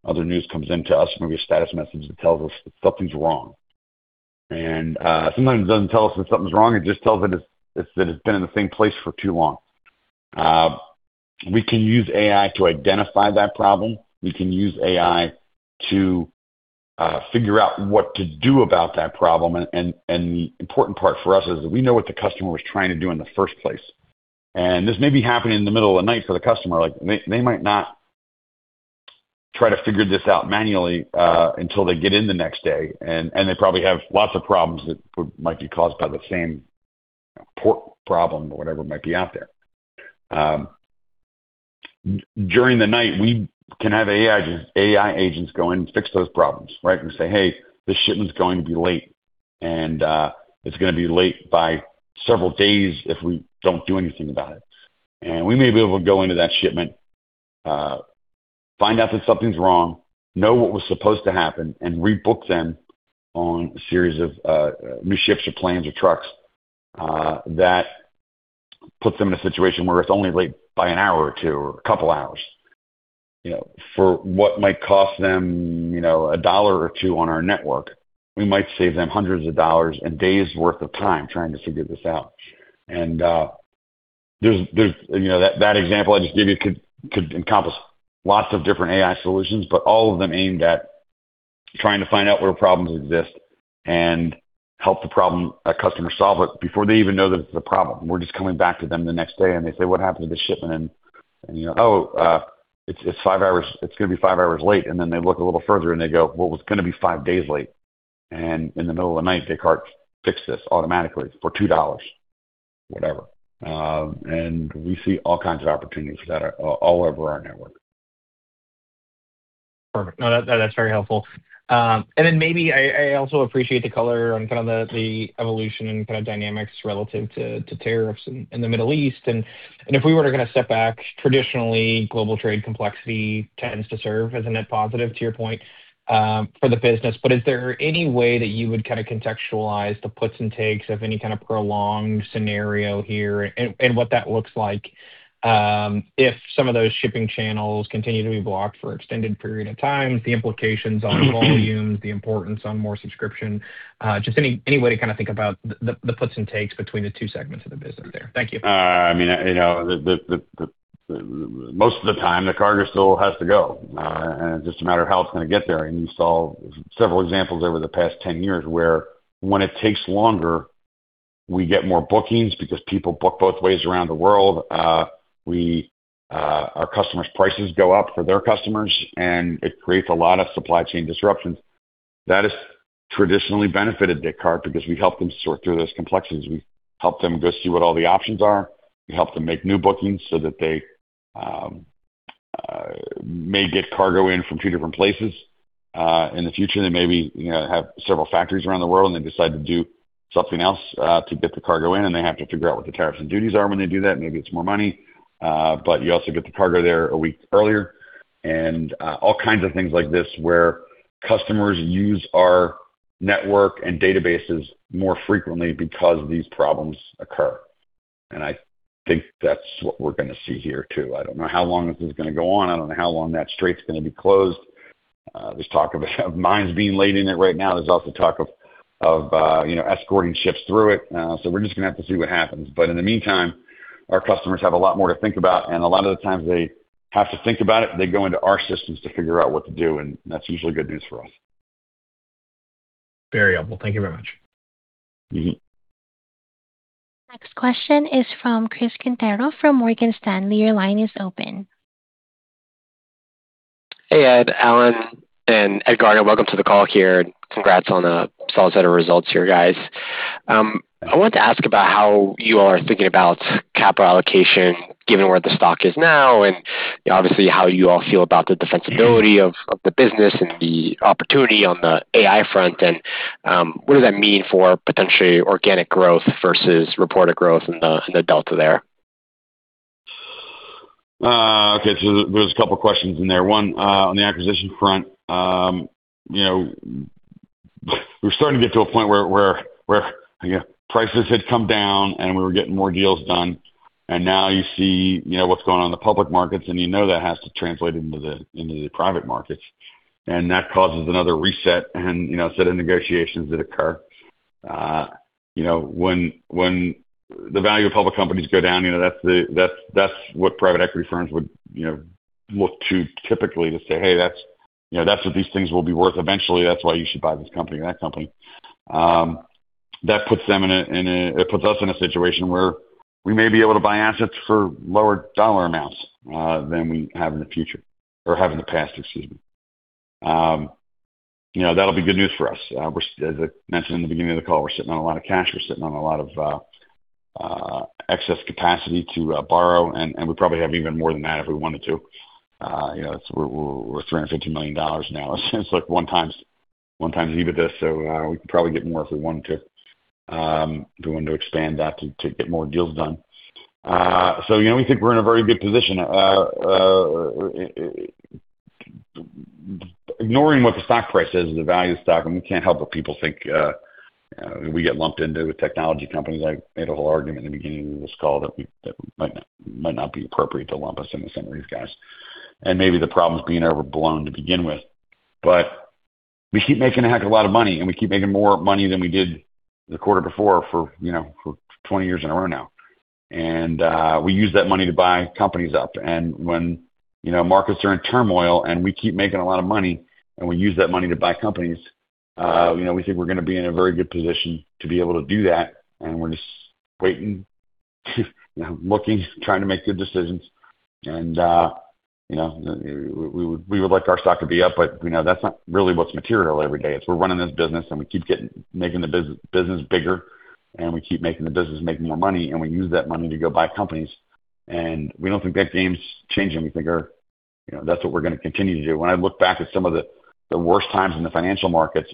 [SPEAKER 3] other news comes into us, maybe a status message that tells us something's wrong. Sometimes it doesn't tell us if something's wrong. It just tells us it's been in the same place for too long. We can use AI to identify that problem. We can use AI to figure out what to do about that problem. And the important part for us is we know what the customer was trying to do in the first place. This may be happening in the middle of the night for the customer. Like, they might not try to figure this out manually until they get in the next day, and they probably have lots of problems that might be caused by the same port problem or whatever might be out there. During the night, we can have AI agents go in and fix those problems, right? Say, "Hey, this shipment is going to be late, and it's gonna be late by several days if we don't do anything about it." We may be able to go into that shipment, find out that something's wrong, know what was supposed to happen, and rebook them on a series of new ships or planes or trucks that puts them in a situation where it's only late by an hour or two or a couple of hours. You know, for what might cost them, you know, $1 or 2 on our network, we might save them hundreds of dollars and days' worth of time trying to figure this out. You know, that example I just gave you could encompass lots of different AI solutions, but all of them aimed at trying to find out where problems exist and help a customer solve it before they even know that it's a problem. We're just coming back to them the next day, and they say, "What happened to the shipment?" You know, "Oh, it's 5 hours. It's gonna be 5 hours late." Then they look a little further, and they go, "Well, it was gonna be 5 days late." In the middle of the night, Descartes fixed this automatically for $2, whatever. We see all kinds of opportunities for that all over our network.
[SPEAKER 6] Perfect. No, that's very helpful. Then maybe I also appreciate the color on kind of the evolution and kind of dynamics relative to tariffs in the Middle East. If we were to kind of step back, traditionally, global trade complexity tends to serve as a net positive, to your point, for the business. Is there any way that you would kind of contextualize the puts and takes of any kind of prolonged scenario here and what that looks like, if some of those shipping channels continue to be blocked for extended period of time, the implications on volumes, the importance on more subscription? Just any way to kind of think about the puts and takes between the two segments of the business there. Thank you.
[SPEAKER 3] I mean, you know, most of the time the cargo still has to go, and it's just a matter of how it's gonna get there. You saw several examples over the past 10 years where when it takes longer, we get more bookings because people book both ways around the world. Our customers' prices go up for their customers, and it creates a lot of supply chain disruptions. That has traditionally benefited Descartes because we help them sort through those complexities. We help them go see what all the options are. We help them make new bookings so that they may get cargo in from two different places. In the future, they maybe, you know, have several factories around the world and they decide to do something else, to get the cargo in, and they have to figure out what the tariffs and duties are when they do that. Maybe it's more money, but you also get the cargo there a week earlier. All kinds of things like this where customers use our network and databases more frequently because these problems occur. I think that's what we're gonna see here too. I don't know how long this is gonna go on. I don't know how long that strait's gonna be closed. There's talk of mines being laid in it right now. There's also talk of escorting ships through it, you know. So we're just gonna have to see what happens. In the meantime, our customers have a lot more to think about, and a lot of the times they have to think about it, they go into our systems to figure out what to do, and that's usually good news for us.
[SPEAKER 6] Very helpful. Thank you very much.
[SPEAKER 3] Mm-hmm.
[SPEAKER 1] Next question is from Chris Quintero from Morgan Stanley. Your line is open.
[SPEAKER 7] Hey, Edward, Allan, and Ed Gardner, welcome to the call here, and congrats on a solid set of results here, guys. I wanted to ask about how you are thinking about capital allocation given where the stock is now and obviously how you all feel about the defensibility of the business and the opportunity on the AI front, and what does that mean for potentially organic growth versus reported growth and the delta there?
[SPEAKER 3] Okay. There's a couple questions in there. One, on the acquisition front, you know, we're starting to get to a point where prices had come down and we were getting more deals done, and now you see, you know, what's going on in the public markets and you know that has to translate into the private markets. That causes another reset and, you know, a set of negotiations that occur. You know, when the value of public companies go down, you know, that's what private equity firms would, you know, look to typically to say, "Hey, that's, you know, that's what these things will be worth eventually. That's why you should buy this company or that company. That puts us in a situation where we may be able to buy assets for lower dollar amounts than we have in the future or have in the past, excuse me. You know, that'll be good news for us. As I mentioned in the beginning of the call, we're sitting on a lot of cash. We're sitting on a lot of excess capacity to borrow, and we probably have even more than that if we wanted to. You know, we're $350 million now. It's like 1x EBITDA, so we could probably get more if we wanted to, if we wanted to expand that to get more deals done. You know, we think we're in a very good position. Ignoring what the stock price is and the value of the stock, and we can't help what people think, we get lumped into technology companies like made a whole argument in the beginning of this call that we that might not be appropriate to lump us in the same with these guys. Maybe the problem's being overblown to begin with. We keep making a heck of a lot of money, and we keep making more money than we did the quarter before for, you know, for 20 years in a row now. We use that money to buy companies up. When, you know, markets are in turmoil and we keep making a lot of money and we use that money to buy companies, you know, we think we're gonna be in a very good position to be able to do that, and we're just waiting, you know, looking, trying to make good decisions. You know, we would like our stock to be up, but, you know, that's not really what's material every day. We're running this business and we keep making the business bigger, and we keep making the business make more money, and we use that money to go buy companies. We don't think that game's changing. We figure, you know, that's what we're gonna continue to do. When I look back at some of the worst times in the financial markets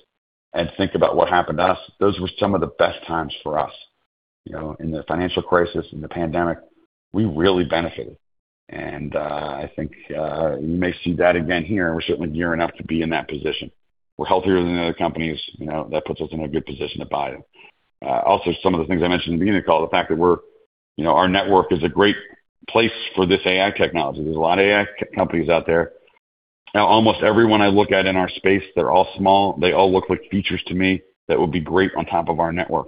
[SPEAKER 3] and think about what happened to us, those were some of the best times for us. You know, in the financial crisis, in the pandemic, we really benefited. I think we may see that again here, and we're certainly gearing up to be in that position. We're healthier than the other companies. You know, that puts us in a good position to buy them. Also some of the things I mentioned in the beginning of the call, the fact that we're, you know, our network is a great place for this AI technology. There's a lot of AI companies out there. Now almost everyone I look at in our space, they're all small. They all look like features to me that would be great on top of our network.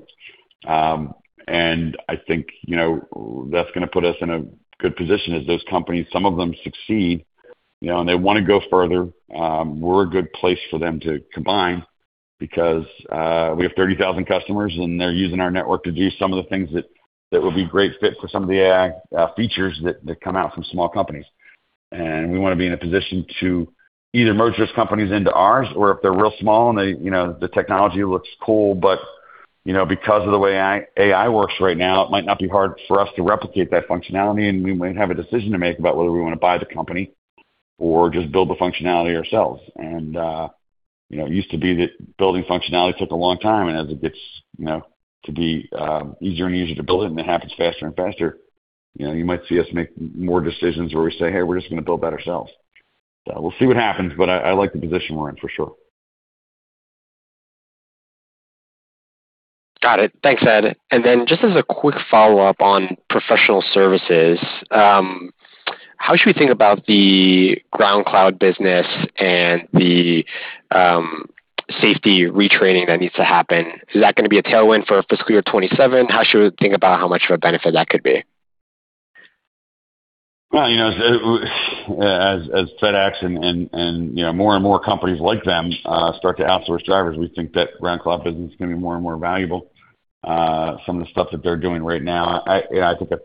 [SPEAKER 3] I think, you know, that's gonna put us in a good position as those companies, some of them succeed, you know, and they wanna go further. We're a good place for them to combine because we have 30,000 customers, and they're using our network to do some of the things that would be great fit for some of the AI features that come out from small companies. We wanna be in a position to either merge those companies into ours or if they're real small and they, you know, the technology looks cool, but, you know, because of the way AI works right now, it might not be hard for us to replicate that functionality, and we might have a decision to make about whether we want to buy the company or just build the functionality ourselves. You know, it used to be that building functionality took a long time, and as it gets, you know, to be easier and easier to build it and it happens faster and faster, you know, you might see us make more decisions where we say, "Hey, we're just gonna build that ourselves." We'll see what happens, but I like the position we're in for sure.
[SPEAKER 7] Got it. Thanks, Edward. Then just as a quick follow-up on professional services, how should we think about the GroundCloud business and the safety retraining that needs to happen? Is that gonna be a tailwind for fiscal year 2027? How should we think about how much of a benefit that could be?
[SPEAKER 3] Well, you know, as FedEx and you know, more and more companies like them start to outsource drivers, we think that GroundCloud business is gonna be more and more valuable. Some of the stuff that they're doing right now, you know, I think that's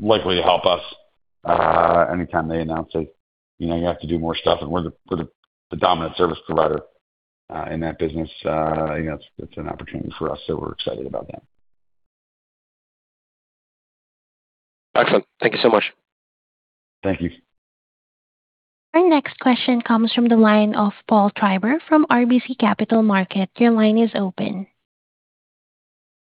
[SPEAKER 3] likely to help us anytime they announce it. You know, you have to do more stuff, and we're the dominant service provider in that business. You know, it's an opportunity for us, so we're excited about that.
[SPEAKER 7] Excellent. Thank you so much.
[SPEAKER 3] Thank you.
[SPEAKER 1] Our next question comes from the line of Paul Treiber from RBC Capital Markets. Your line is open.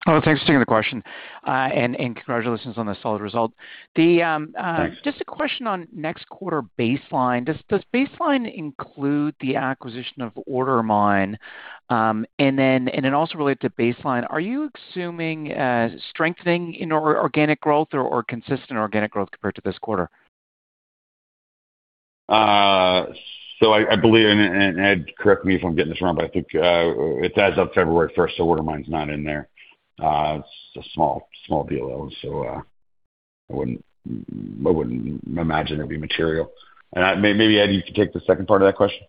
[SPEAKER 8] Oh, thanks for taking the question. Congratulations on the solid result.
[SPEAKER 3] Thanks.
[SPEAKER 8] Just a question on next quarter baseline. Does baseline include the acquisition of OrderMine? Also related to baseline, are you assuming strengthening in inorganic growth or consistent organic growth compared to this quarter?
[SPEAKER 3] I believe, and Ed, correct me if I'm getting this wrong, but I think it does as of February first, so OrderMine's not in there. It's a small deal though, so I wouldn't imagine it'd be material. Maybe, Ed, you can take the second part of that question.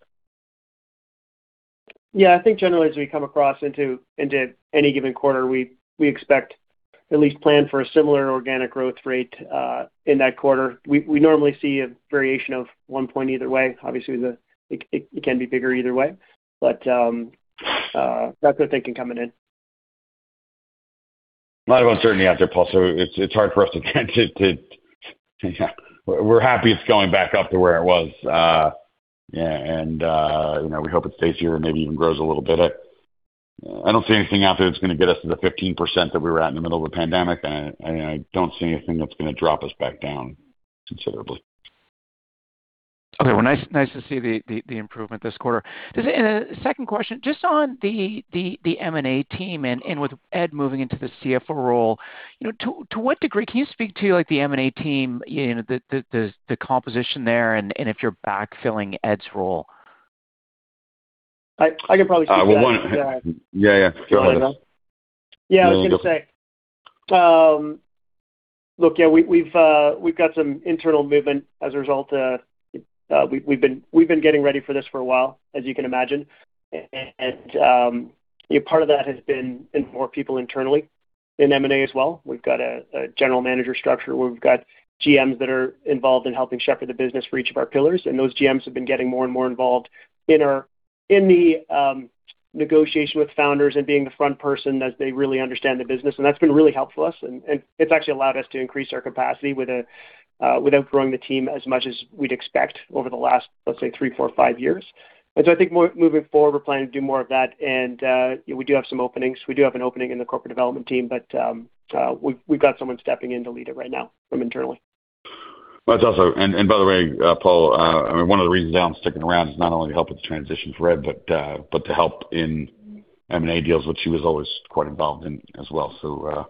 [SPEAKER 5] Yeah. I think generally as we come across into any given quarter, we expect or at least plan for a similar organic growth rate in that quarter. We normally see a variation of 1 point either way. Obviously, it can be bigger either way. That's what it can come in at.
[SPEAKER 3] A lot of uncertainty out there, Paul, so it's hard for us to. We're happy it's going back up to where it was, you know, we hope it stays here and maybe even grows a little bit. I don't see anything out there that's gonna get us to the 15% that we were at in the middle of the pandemic, and I don't see anything that's gonna drop us back down considerably.
[SPEAKER 8] Okay. Well, nice to see the improvement this quarter. Second question, just on the M&A team and with Ed moving into the CFO role, you know, to what degree can you speak to, like, the M&A team, you know, the composition there and if you're backfilling Ed's role?
[SPEAKER 5] I can probably take that.
[SPEAKER 3] Yeah. Yeah. Go ahead, Ed.
[SPEAKER 5] Yeah, I was gonna say. Look, yeah, we've got some internal movement as a result. We've been getting ready for this for a while, as you can imagine. You know, part of that has been in more people internally in M&A as well. We've got a general manager structure. We've got GMs that are involved in helping shepherd the business for each of our pillars, and those GMs have been getting more and more involved in the negotiation with founders and being the front person as they really understand the business, and that's been really helpful us. It's actually allowed us to increase our capacity without growing the team as much as we'd expect over the last, let's say, three, four, five years. I think moving forward, we're planning to do more of that. We do have some openings. We do have an opening in the corporate development team, but we've got someone stepping in to lead it right now from internally.
[SPEAKER 3] By the way, Paul, I mean, one of the reasons Ed's sticking around is not only to help with the transition for Ed, but to help in M&A deals, which he was always quite involved in as well. You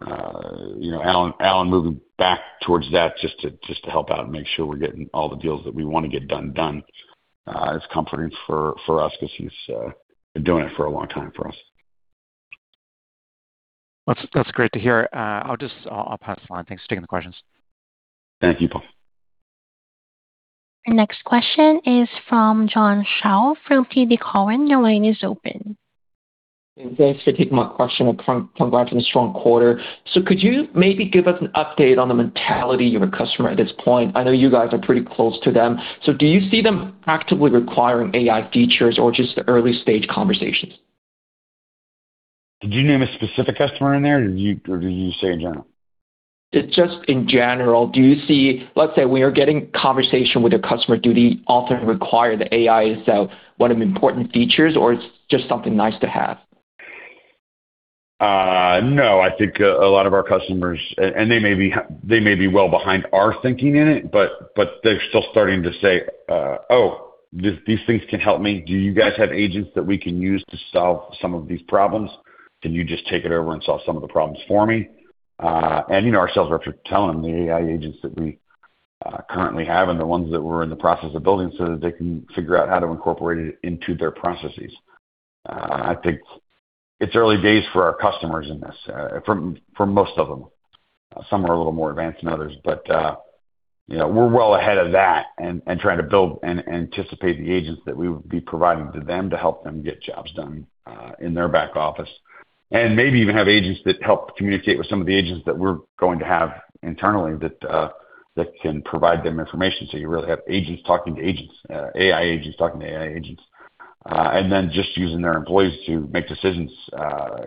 [SPEAKER 3] know, Allan moving back towards that just to help out and make sure we're getting all the deals that we wanna get done is comforting for us 'cause he's been doing it for a long time for us.
[SPEAKER 8] That's great to hear. I'll pass this on. Thanks for taking the questions.
[SPEAKER 3] Thank you, Paul.
[SPEAKER 1] Our next question is from John Shao from TD Cowen. Your line is open.
[SPEAKER 9] Thanks for taking my question. Congratulations on a strong quarter. Could you maybe give us an update on the mentality of your customer at this point? I know you guys are pretty close to them. Do you see them actively requiring AI features or just early-stage conversations?
[SPEAKER 3] Did you name a specific customer in there, or did you say in general?
[SPEAKER 9] Just in general, let's say we are having a conversation with a customer, do they often require the AI as one of the important features, or is it just something nice to have?
[SPEAKER 3] No. I think a lot of our customers. They may be well behind our thinking in it, but they're still starting to say, "Oh, these things can help me. Do you guys have agents that we can use to solve some of these problems? Can you just take it over and solve some of the problems for me?" You know, our sales reps are telling the AI agents that we currently have and the ones that we're in the process of building so that they can figure out how to incorporate it into their processes. I think it's early days for our customers in this, for most of them. Some are a little more advanced than others, but you know, we're well ahead of that and trying to build and anticipate the agents that we would be providing to them to help them get jobs done in their back office. Maybe even have agents that help communicate with some of the agents that we're going to have internally that can provide them information. You really have agents talking to agents, AI agents talking to AI agents. Just using their employees to make decisions,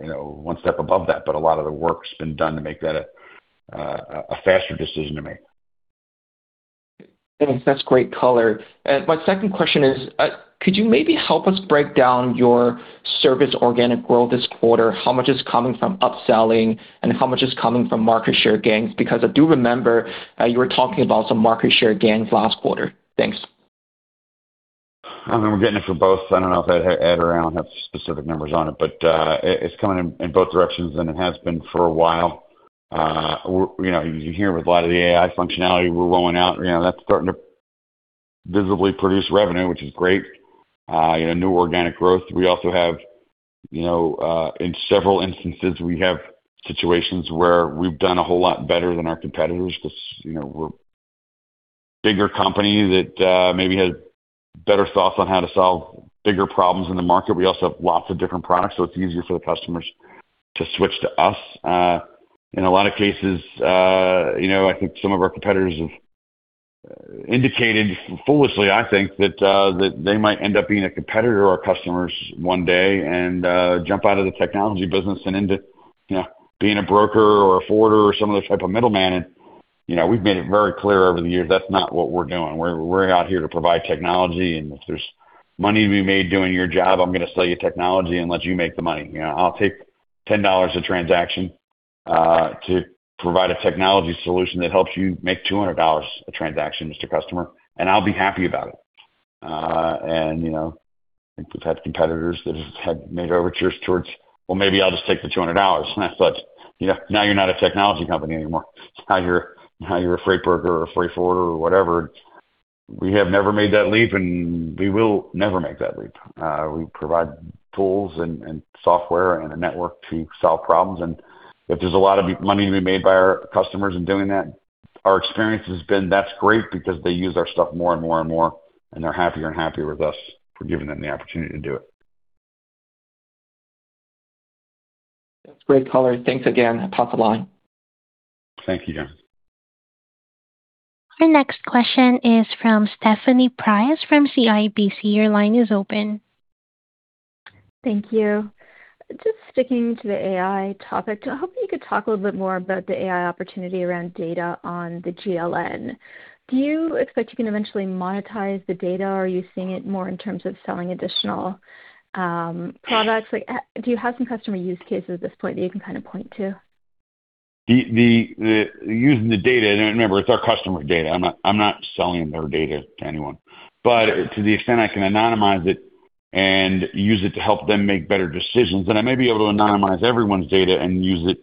[SPEAKER 3] you know, one step above that, but a lot of the work's been done to make that a faster decision to make.
[SPEAKER 9] Thanks. That's great color. My second question is, could you maybe help us break down your service organic growth this quarter? How much is coming from upselling and how much is coming from market share gains? Because I do remember, you were talking about some market share gains last quarter. Thanks.
[SPEAKER 3] I mean, we're getting it from both. I don't know if Ed or Allan have specific numbers on it, but it's coming in both directions, and it has been for a while. We're, you know, you hear with a lot of the AI functionality we're rolling out, you know, that's starting to visibly produce revenue, which is great. You know, new organic growth. We also have, you know, in several instances, we have situations where we've done a whole lot better than our competitors 'cause, you know, we're bigger company that maybe had better thoughts on how to solve bigger problems in the market. We also have lots of different products, so it's easier for the customers to switch to us. In a lot of cases, you know, I think some of our competitors have indicated, foolishly I think, that they might end up being a competitor to our customers one day and jump out of the technology business and into, you know, being a broker or a forwarder or some other type of middleman. You know, we've made it very clear over the years that's not what we're doing. We're out here to provide technology, and if there's money to be made doing your job, I'm gonna sell you technology and let you make the money. You know, I'll take $10 a transaction to provide a technology solution that helps you make $200 a transaction, Mr. Customer, and I'll be happy about it. you know, I think we've had competitors that have made overtures towards, "Well, maybe I'll just take the $200." I thought, you know, now you're not a technology company anymore. Now you're a freight broker or a freight forwarder or whatever. We have never made that leap, and we will never make that leap. We provide tools and software and a network to solve problems, and if there's a lot of money to be made by our customers in doing that, our experience has been that's great because they use our stuff more and more and more, and they're happier and happier with us for giving them the opportunity to do it.
[SPEAKER 9] Great color. Thanks again. Top of the line.
[SPEAKER 3] Thank you, John.
[SPEAKER 1] Our next question is from Stephanie Price from CIBC. Your line is open.
[SPEAKER 10] Thank you. Just sticking to the AI topic, I was hoping you could talk a little bit more about the AI opportunity around data on the GLN. Do you expect you can eventually monetize the data? Are you seeing it more in terms of selling additional products? Like, do you have some customer use cases at this point that you can kinda point to?
[SPEAKER 3] Using the data, remember, it's our customer data. I'm not selling their data to anyone. To the extent I can anonymize it and use it to help them make better decisions, then I may be able to anonymize everyone's data and use it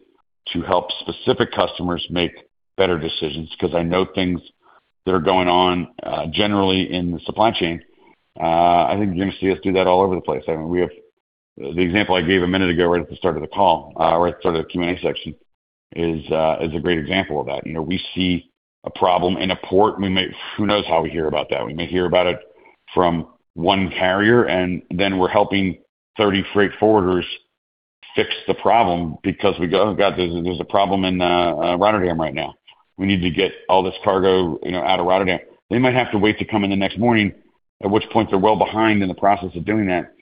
[SPEAKER 3] to help specific customers make better decisions, 'cause I know things that are going on generally in the supply chain. I think you're gonna see us do that all over the place. I mean, we have. The example I gave a minute ago, right at the start of the call, or at the start of the Q&A section is a great example of that. You know, we see a problem in a port, and we may, who knows, how we hear about that. We may hear about it from one carrier, and then we're helping 30 freight forwarders fix the problem because we go, "Oh, God, there's a problem in Rotterdam right now. We need to get all this cargo, you know, out of Rotterdam." They might have to wait to come in the next morning, at which point they're well behind in the process of doing that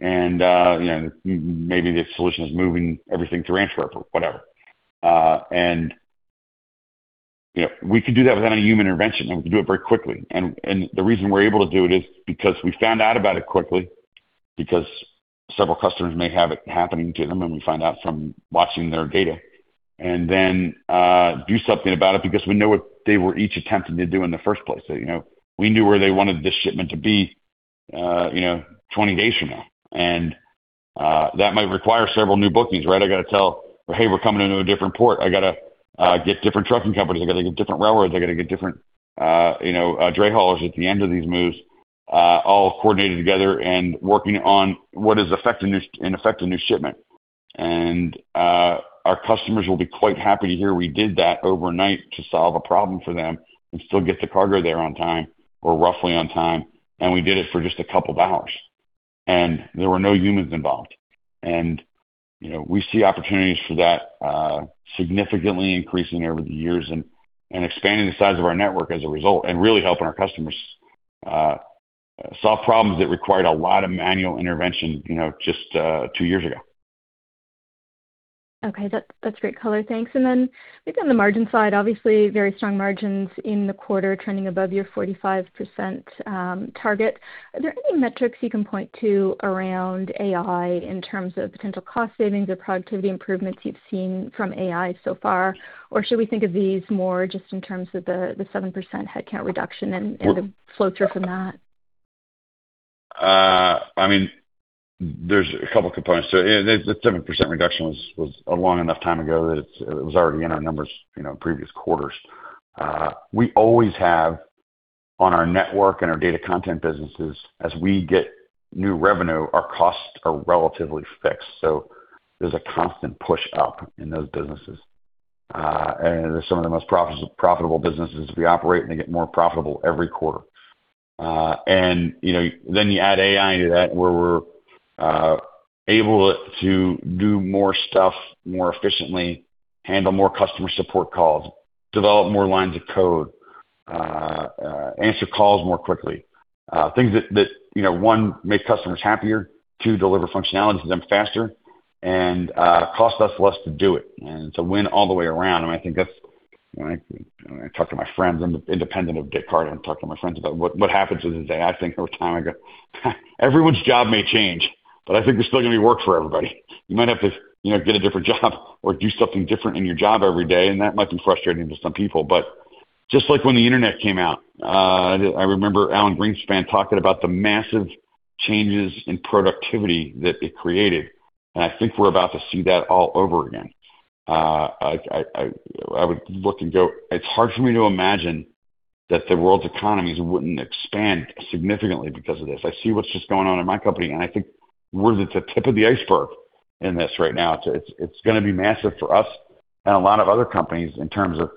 [SPEAKER 3] and, you know, maybe the solution is moving everything to Antwerp or whatever. You know, we could do that without any human intervention, and we can do it very quickly. The reason we're able to do it is because we found out about it quickly because several customers may have it happening to them, and we find out from watching their data and then do something about it because we know what they were each attempting to do in the first place. You know, we knew where they wanted this shipment to be 20 days from now. That might require several new bookings, right? I gotta tell, "Hey, we're coming into a different port." I gotta get different trucking companies. I gotta get different railroads. I gotta get different dray haulers at the end of these moves, all coordinated together and working on what is effectively an effective new shipment. Our customers will be quite happy to hear we did that overnight to solve a problem for them and still get the cargo there on time or roughly on time, and we did it for just a couple of hours, and there were no humans involved. You know, we see opportunities for that significantly increasing over the years and expanding the size of our network as a result, and really helping our customers solve problems that required a lot of manual intervention, you know, just two years ago.
[SPEAKER 10] Okay. That's great color. Thanks. Maybe on the margin side, obviously very strong margins in the quarter, trending above your 45% target. Are there any metrics you can point to around AI in terms of potential cost savings or productivity improvements you've seen from AI so far? Or should we think of these more just in terms of the 7% headcount reduction and the flow through from that?
[SPEAKER 3] I mean, there's a couple components to it. The 7% reduction was a long enough time ago that it was already in our numbers, you know, in previous quarters. We always have on our network and our data content businesses, as we get new revenue, our costs are relatively fixed, so there's a constant push up in those businesses. They're some of the most profitable businesses we operate, and they get more profitable every quarter. You know, then you add AI into that, where we're able to do more stuff more efficiently, handle more customer support calls, develop more lines of code, answer calls more quickly, things that, you know, one, make customers happier, two, deliver functionality to them faster, and cost us less to do it. It's a win all the way around, and I think that's. When I talk to my friends independent of Descartes, I've been talking to my friends about what happens in this day and age. I think all the time, I go, "Everyone's job may change, but I think there's still gonna be work for everybody." You might have to, you know, get a different job or do something different in your job every day, and that might be frustrating to some people. Just like when the internet came out, I remember Alan Greenspan talking about the massive changes in productivity that it created, and I think we're about to see that all over again. I would look and go, "It's hard for me to imagine that the world's economies wouldn't expand significantly because of this." I see what's just going on in my company, and I think we're at the tip of the iceberg in this right now. It's gonna be massive for us and a lot of other companies in terms of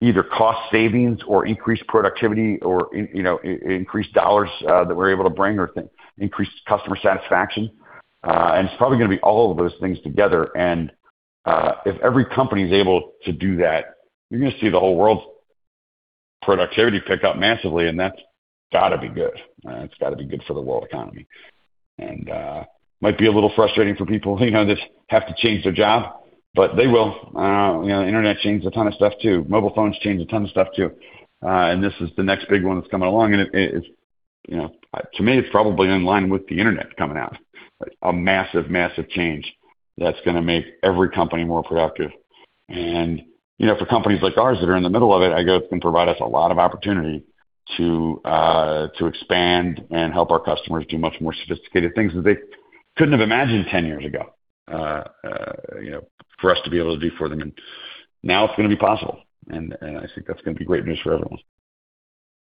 [SPEAKER 3] either cost savings or increased productivity or in, you know, increased dollars that we're able to bring or increased customer satisfaction. It's probably gonna be all of those things together. If every company is able to do that, you're gonna see the whole world productivity picked up massively, and that's gotta be good. It's gotta be good for the world economy. Might be a little frustrating for people, you know, that have to change their job, but they will. You know, internet changed a ton of stuff too. Mobile phones changed a ton of stuff too. This is the next big one that's coming along, and it is, you know, to me, it's probably in line with the internet coming out. A massive change that's gonna make every company more productive. You know, for companies like ours that are in the middle of it can provide us a lot of opportunity to expand and help our customers do much more sophisticated things that they couldn't have imagined 10 years ago. You know, for us to be able to do for them, and now it's gonna be possible. I think that's gonna be great news for everyone.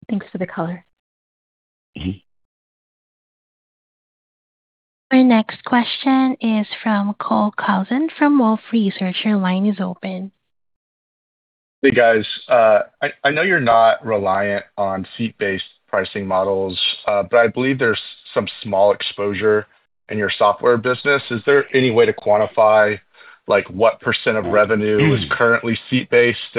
[SPEAKER 10] Thanks for the color.
[SPEAKER 3] Mm-hmm.
[SPEAKER 1] Our next question is from Cole Couzens from Wolfe Research. Your line is open.
[SPEAKER 11] Hey, guys. I know you're not reliant on seat-based pricing models, but I believe there's some small exposure in your software business. Is there any way to quantify, like, what % of revenue-
[SPEAKER 3] Mm-hmm.
[SPEAKER 11] is currently seat-based?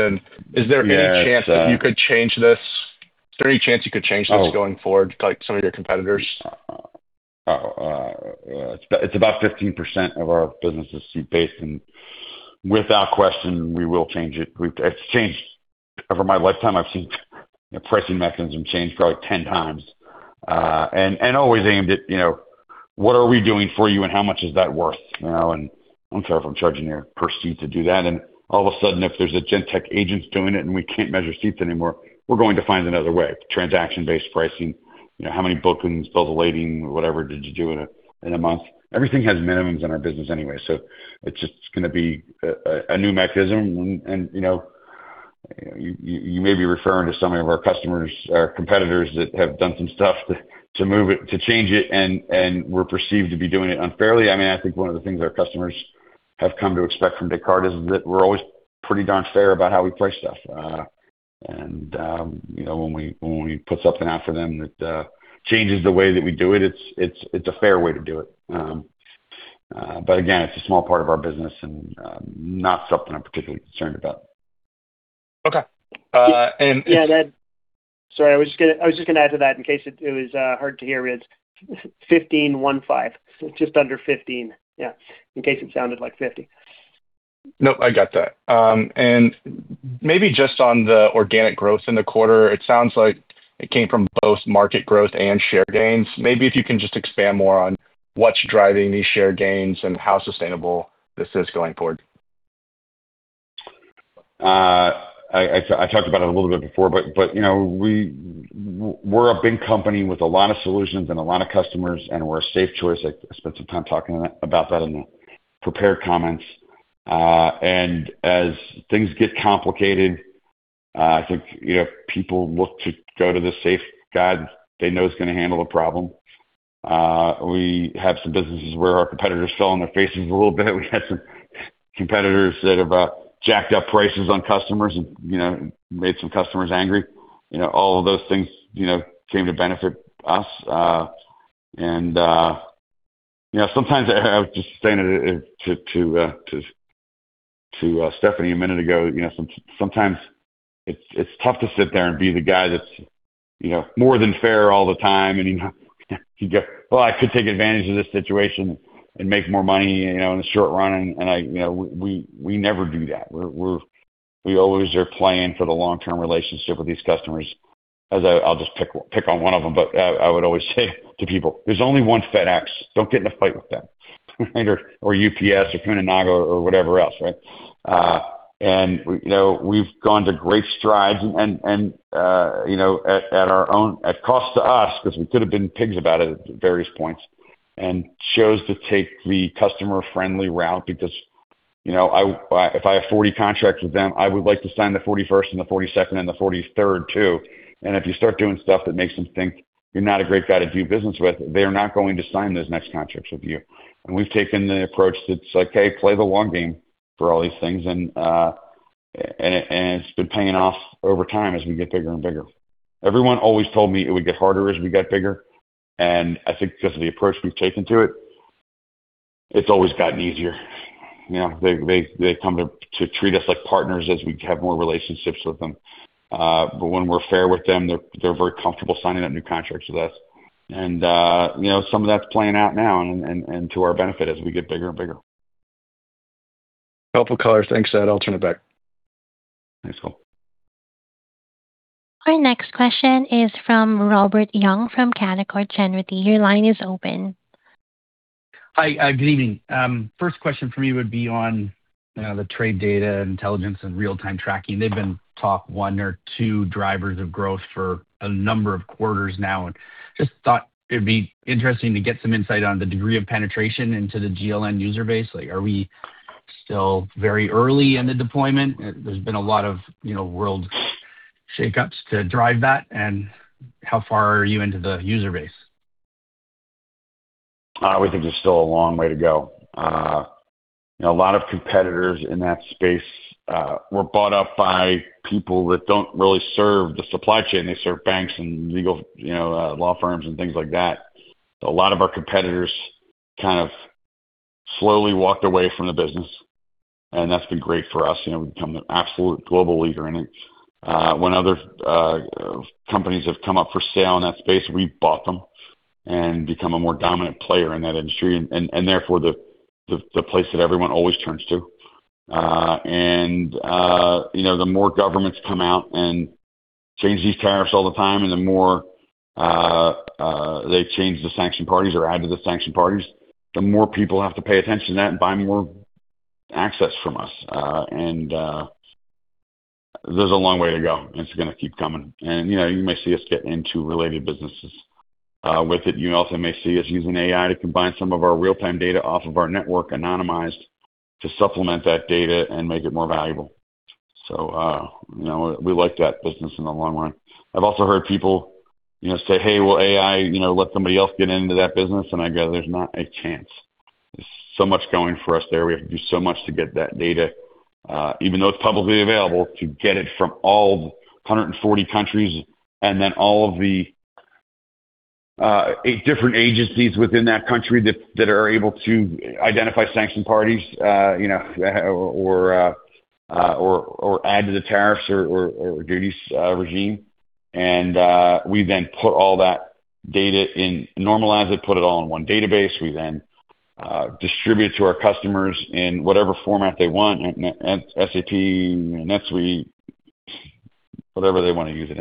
[SPEAKER 11] Is there any chance-
[SPEAKER 3] Yeah. It's
[SPEAKER 11] that you could change this? Is there any chance you could change this going forward like some of your competitors?
[SPEAKER 3] It's about 15% of our business is seat-based, and without question, we will change it. It's changed. Over my lifetime, I've seen the pricing mechanism change probably 10 times. Always aimed at, you know, what are we doing for you, and how much is that worth, you know? I'm sorry if I'm charging you per seat to do that. All of a sudden, if there's an AI agent doing it and we can't measure seats anymore, we're going to find another way. Transaction-based pricing. You know, how many bookings, bill of lading, whatever did you do in a month? Everything has minimums in our business anyway, so it's just gonna be a new mechanism. You know, you may be referring to some of our customers or competitors that have done some stuff to move it, to change it, and we're perceived to be doing it unfairly. I mean, I think one of the things our customers have come to expect from Descartes is that we're always pretty darn fair about how we price stuff. You know, when we put something out for them that changes the way that we do it's a fair way to do it. Again, it's a small part of our business and not something I'm particularly concerned about.
[SPEAKER 11] Okay.
[SPEAKER 3] Yeah. Sorry, I was just gonna add to that in case it was hard to hear. It's 15.15, so just under 15. Yeah. In case it sounded like 50.
[SPEAKER 11] Nope, I got that. Maybe just on the organic growth in the quarter, it sounds like it came from both market growth and share gains. Maybe if you can just expand more on what's driving these share gains and how sustainable this is going forward.
[SPEAKER 3] I talked about it a little bit before, but you know, we're a big company with a lot of solutions and a lot of customers, and we're a safe choice. I spent some time talking about that in the prepared comments. As things get complicated, I think, you know, people look to go to the safe guide they know is gonna handle a problem. We have some businesses where our competitors fell on their faces a little bit. We had some competitors that have jacked up prices on customers and, you know, made some customers angry. You know, all of those things, you know, seem to benefit us. You know, sometimes I was just saying it to Stephanie a minute ago, you know, sometimes it's tough to sit there and be the guy that's, you know, more than fair all the time, and you know, you go, "Well, I could take advantage of this situation and make more money, you know, in the short run." I, you know, we never do that. We're always playing for the long-term relationship with these customers. I'll just pick on one of them, but I would always say to people, "There's only one FedEx. Don't get in a fight with them." Right? Or UPS or Kuehne+Nagel or whatever else, right? We, you know, we've gone to great strides at our own cost to us, 'cause we could have been pigs about it at various points and chose to take the customer-friendly route because, you know, if I have 40 contracts with them, I would like to sign the 41st and the 42nd and the 43rd too. If you start doing stuff that makes them think you're not a great guy to do business with, they are not going to sign those next contracts with you. We've taken the approach that's like, "Hey, play the long game for all these things." It's been paying off over time as we get bigger and bigger. Everyone always told me it would get harder as we got bigger, and I think because of the approach we've taken to it's always gotten easier. You know, they come to treat us like partners as we have more relationships with them. But when we're fair with them, they're very comfortable signing up new contracts with us. You know, some of that's playing out now and to our benefit as we get bigger and bigger.
[SPEAKER 11] Helpful color. Thanks, Ed. I'll turn it back.
[SPEAKER 3] Thanks, Cole.
[SPEAKER 1] Our next question is from Robert Young from Canaccord Genuity. Your line is open.
[SPEAKER 12] Hi. Good evening. First question for me would be on the trade data intelligence and real-time tracking. They've been top one or two drivers of growth for a number of quarters now. Just thought it'd be interesting to get some insight on the degree of penetration into the GLN user base. Like, are we still very early in the deployment? There's been a lot of, you know, world shakeups to drive that. How far are you into the user base?
[SPEAKER 3] We think there's still a long way to go. You know, a lot of competitors in that space were bought up by people that don't really serve the supply chain. They serve banks and legal, you know, law firms and things like that. A lot of our competitors kind of slowly walked away from the business, and that's been great for us. You know, we've become the absolute global leader in it. When other companies have come up for sale in that space, we've bought them and become a more dominant player in that industry and therefore the place that everyone always turns to. You know, the more governments come out and change these tariffs all the time, and the more they change the sanctioned parties or add to the sanctioned parties, the more people have to pay attention to that and buy more access from us. There's a long way to go. It's gonna keep coming. You know, you may see us get into related businesses with it. You also may see us using AI to combine some of our real-time data off of our network, anonymized, to supplement that data and make it more valuable. You know, we like that business in the long run. I've also heard people, you know, say, "Hey, will AI, you know, let somebody else get into that business?" And I go, "There's not a chance." There's so much going for us there. We have to do so much to get that data, even though it's publicly available, to get it from all 140 countries and then all of the different agencies within that country that are able to identify sanctioned parties, you know, or add to the tariffs or duties regime. We then put all that data in, normalize it, put it all in one database. We then distribute to our customers in whatever format they want, SAP, NetSuite, whatever they wanna use it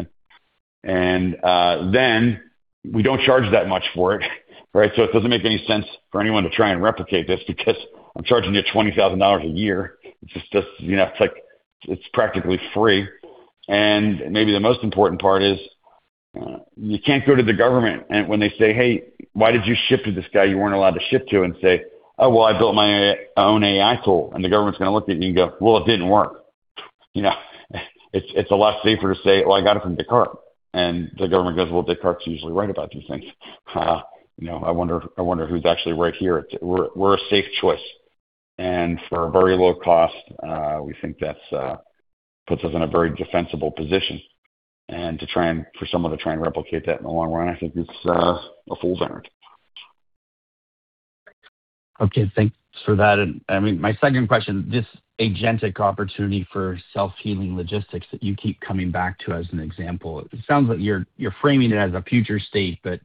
[SPEAKER 3] in. Then we don't charge that much for it, right? It doesn't make any sense for anyone to try and replicate this because I'm charging you $20,000 a year. It's just, you know, it's like it's practically free. Maybe the most important part is, you can't go to the government and when they say, "Hey, why did you ship to this guy you weren't allowed to ship to?" say, "Oh, well, I built my own AI tool." The government's gonna look at you and go, "Well, it didn't work." You know? It's a lot safer to say, "Well, I got it from Descartes." The government goes, "Well, Descartes is usually right about these things." You know, I wonder who's actually right here. We're a safe choice. For a very low cost, we think that's puts us in a very defensible position. For someone to try and replicate that in the long run, I think it's a fool's errand.
[SPEAKER 12] Okay, thanks for that. I mean, my second question, this agentic opportunity for self-healing logistics that you keep coming back to as an example, it sounds like you're framing it as a future state, but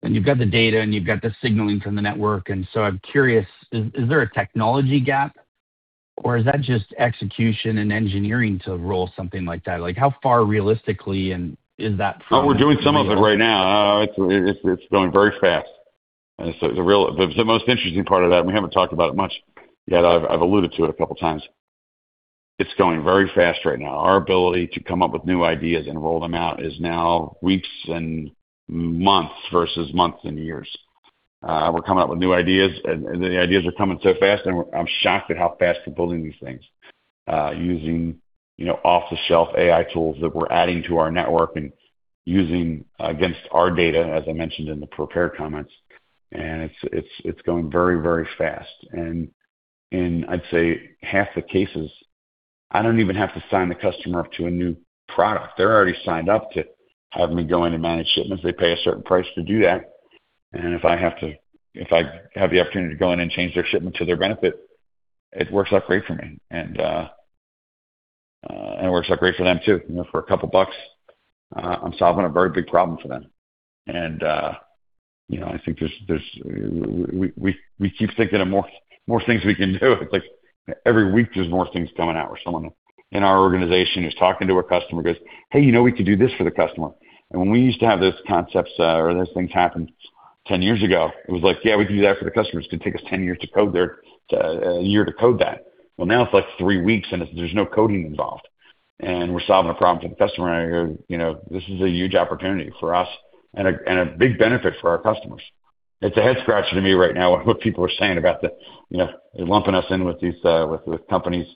[SPEAKER 12] when you've got the data and you've got the signaling from the network, and so I'm curious, is there a technology gap or is that just execution and engineering to roll something like that? Like, how far realistically and is that from-
[SPEAKER 3] We're doing some of it right now. It's going very fast. The most interesting part of that, we haven't talked about it much yet. I've alluded to it a couple times. It's going very fast right now. Our ability to come up with new ideas and roll them out is now weeks and months versus months and years. We're coming up with new ideas, and the ideas are coming so fast, and I'm shocked at how fast we're building these things, using, you know, off-the-shelf AI tools that we're adding to our network and using against our data, as I mentioned in the prepared comments. It's going very, very fast. In, I'd say half the cases, I don't even have to sign the customer up to a new product. They're already signed up to have me go in and manage shipments. They pay a certain price to do that. If I have the opportunity to go in and change their shipment to their benefit, it works out great for me. It works out great for them too. You know, for a couple bucks, I'm solving a very big problem for them. You know, I think we keep thinking of more things we can do. It's like every week there's more things coming out where someone in our organization is talking to a customer goes, "Hey, you know, we could do this for the customer." When we used to have those concepts or those things happen 10 years ago, it was like, "Yeah, we can do that for the customers. It could take us 10 years to code, a year to code that. Well, now it's like three weeks, and there's no coding involved. We're solving a problem for the customer. You know, this is a huge opportunity for us and a big benefit for our customers. It's a head-scratcher to me right now what people are saying about the, you know, lumping us in with these companies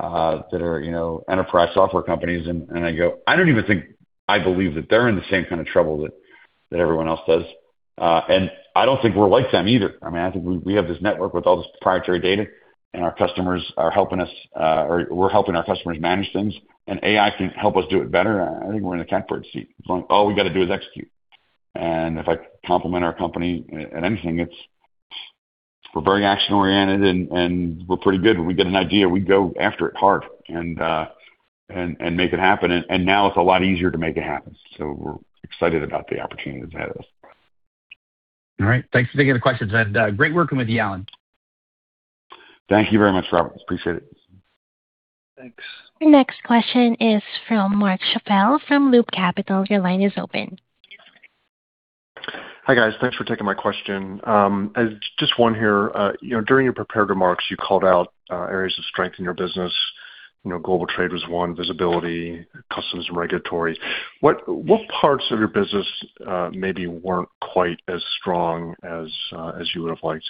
[SPEAKER 3] that are, you know, enterprise software companies. I go, I don't even think I believe that they're in the same kind of trouble that everyone else does. I don't think we're like them either. I mean, I think we have this network with all this proprietary data, and our customers are helping us, or we're helping our customers manage things, and AI can help us do it better. I think we're in the catbird seat. All we gotta do is execute. If I compliment our company at anything, it's we're very action-oriented, and we're pretty good. When we get an idea, we go after it hard and make it happen. Now it's a lot easier to make it happen. We're excited about the opportunities ahead of us.
[SPEAKER 12] All right. Thanks for taking the questions. Great working with you, Allan Brett.
[SPEAKER 3] Thank you very much, Robert. Appreciate it.
[SPEAKER 12] Thanks.
[SPEAKER 1] The next question is from Mark Schappel from Loop Capital. Your line is open.
[SPEAKER 13] Hi, guys. Thanks for taking my question. Just one here. You know, during your prepared remarks, you called out areas of strength in your business. You know, global trade was one, visibility, customs, and regulatory. What parts of your business maybe weren't quite as strong as you would have liked?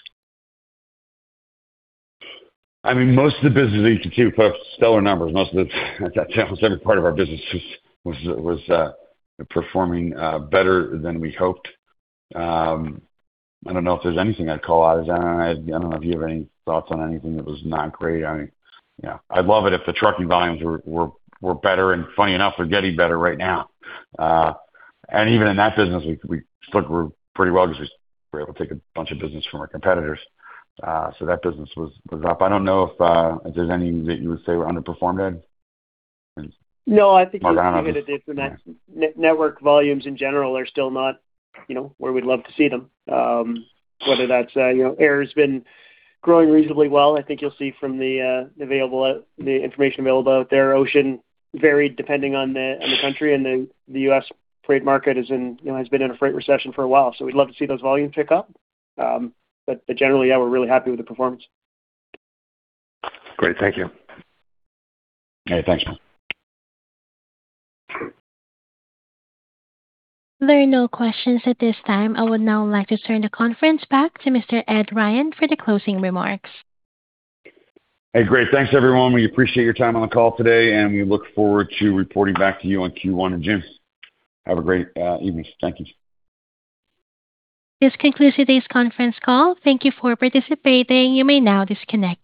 [SPEAKER 3] I mean, most of the businesses you can see put up stellar numbers. Every part of our business was performing better than we hoped. I don't know if there's anything I'd call out. I don't know if you have any thoughts on anything that was not great. I mean, yeah. I'd love it if the trucking volumes were better, and funny enough, they're getting better right now. Even in that business, we look pretty well because we were able to take a bunch of business from our competitors, so that business was up. I don't know if there's any that you would say underperformed, Ed.
[SPEAKER 5] No, I think you hit it. The network volumes in general are still not, you know, where we'd love to see them. Whether that's, you know, air's been growing reasonably well. I think you'll see from the information available out there. Ocean varied depending on the country, and the U.S. freight market is in, you know, has been in a freight recession for a while. We'd love to see those volumes pick up. Generally, yeah, we're really happy with the performance.
[SPEAKER 13] Great. Thank you.
[SPEAKER 3] Yeah. Thank you.
[SPEAKER 1] There are no questions at this time. I would now like to turn the conference back to Mr. Ed Ryan for the closing remarks.
[SPEAKER 3] Hey, great. Thanks, everyone. We appreciate your time on the call today, and we look forward to reporting back to you on Q1 in June. Have a great evening. Thank you.
[SPEAKER 1] This concludes today's conference call. Thank you for participating. You may now disconnect.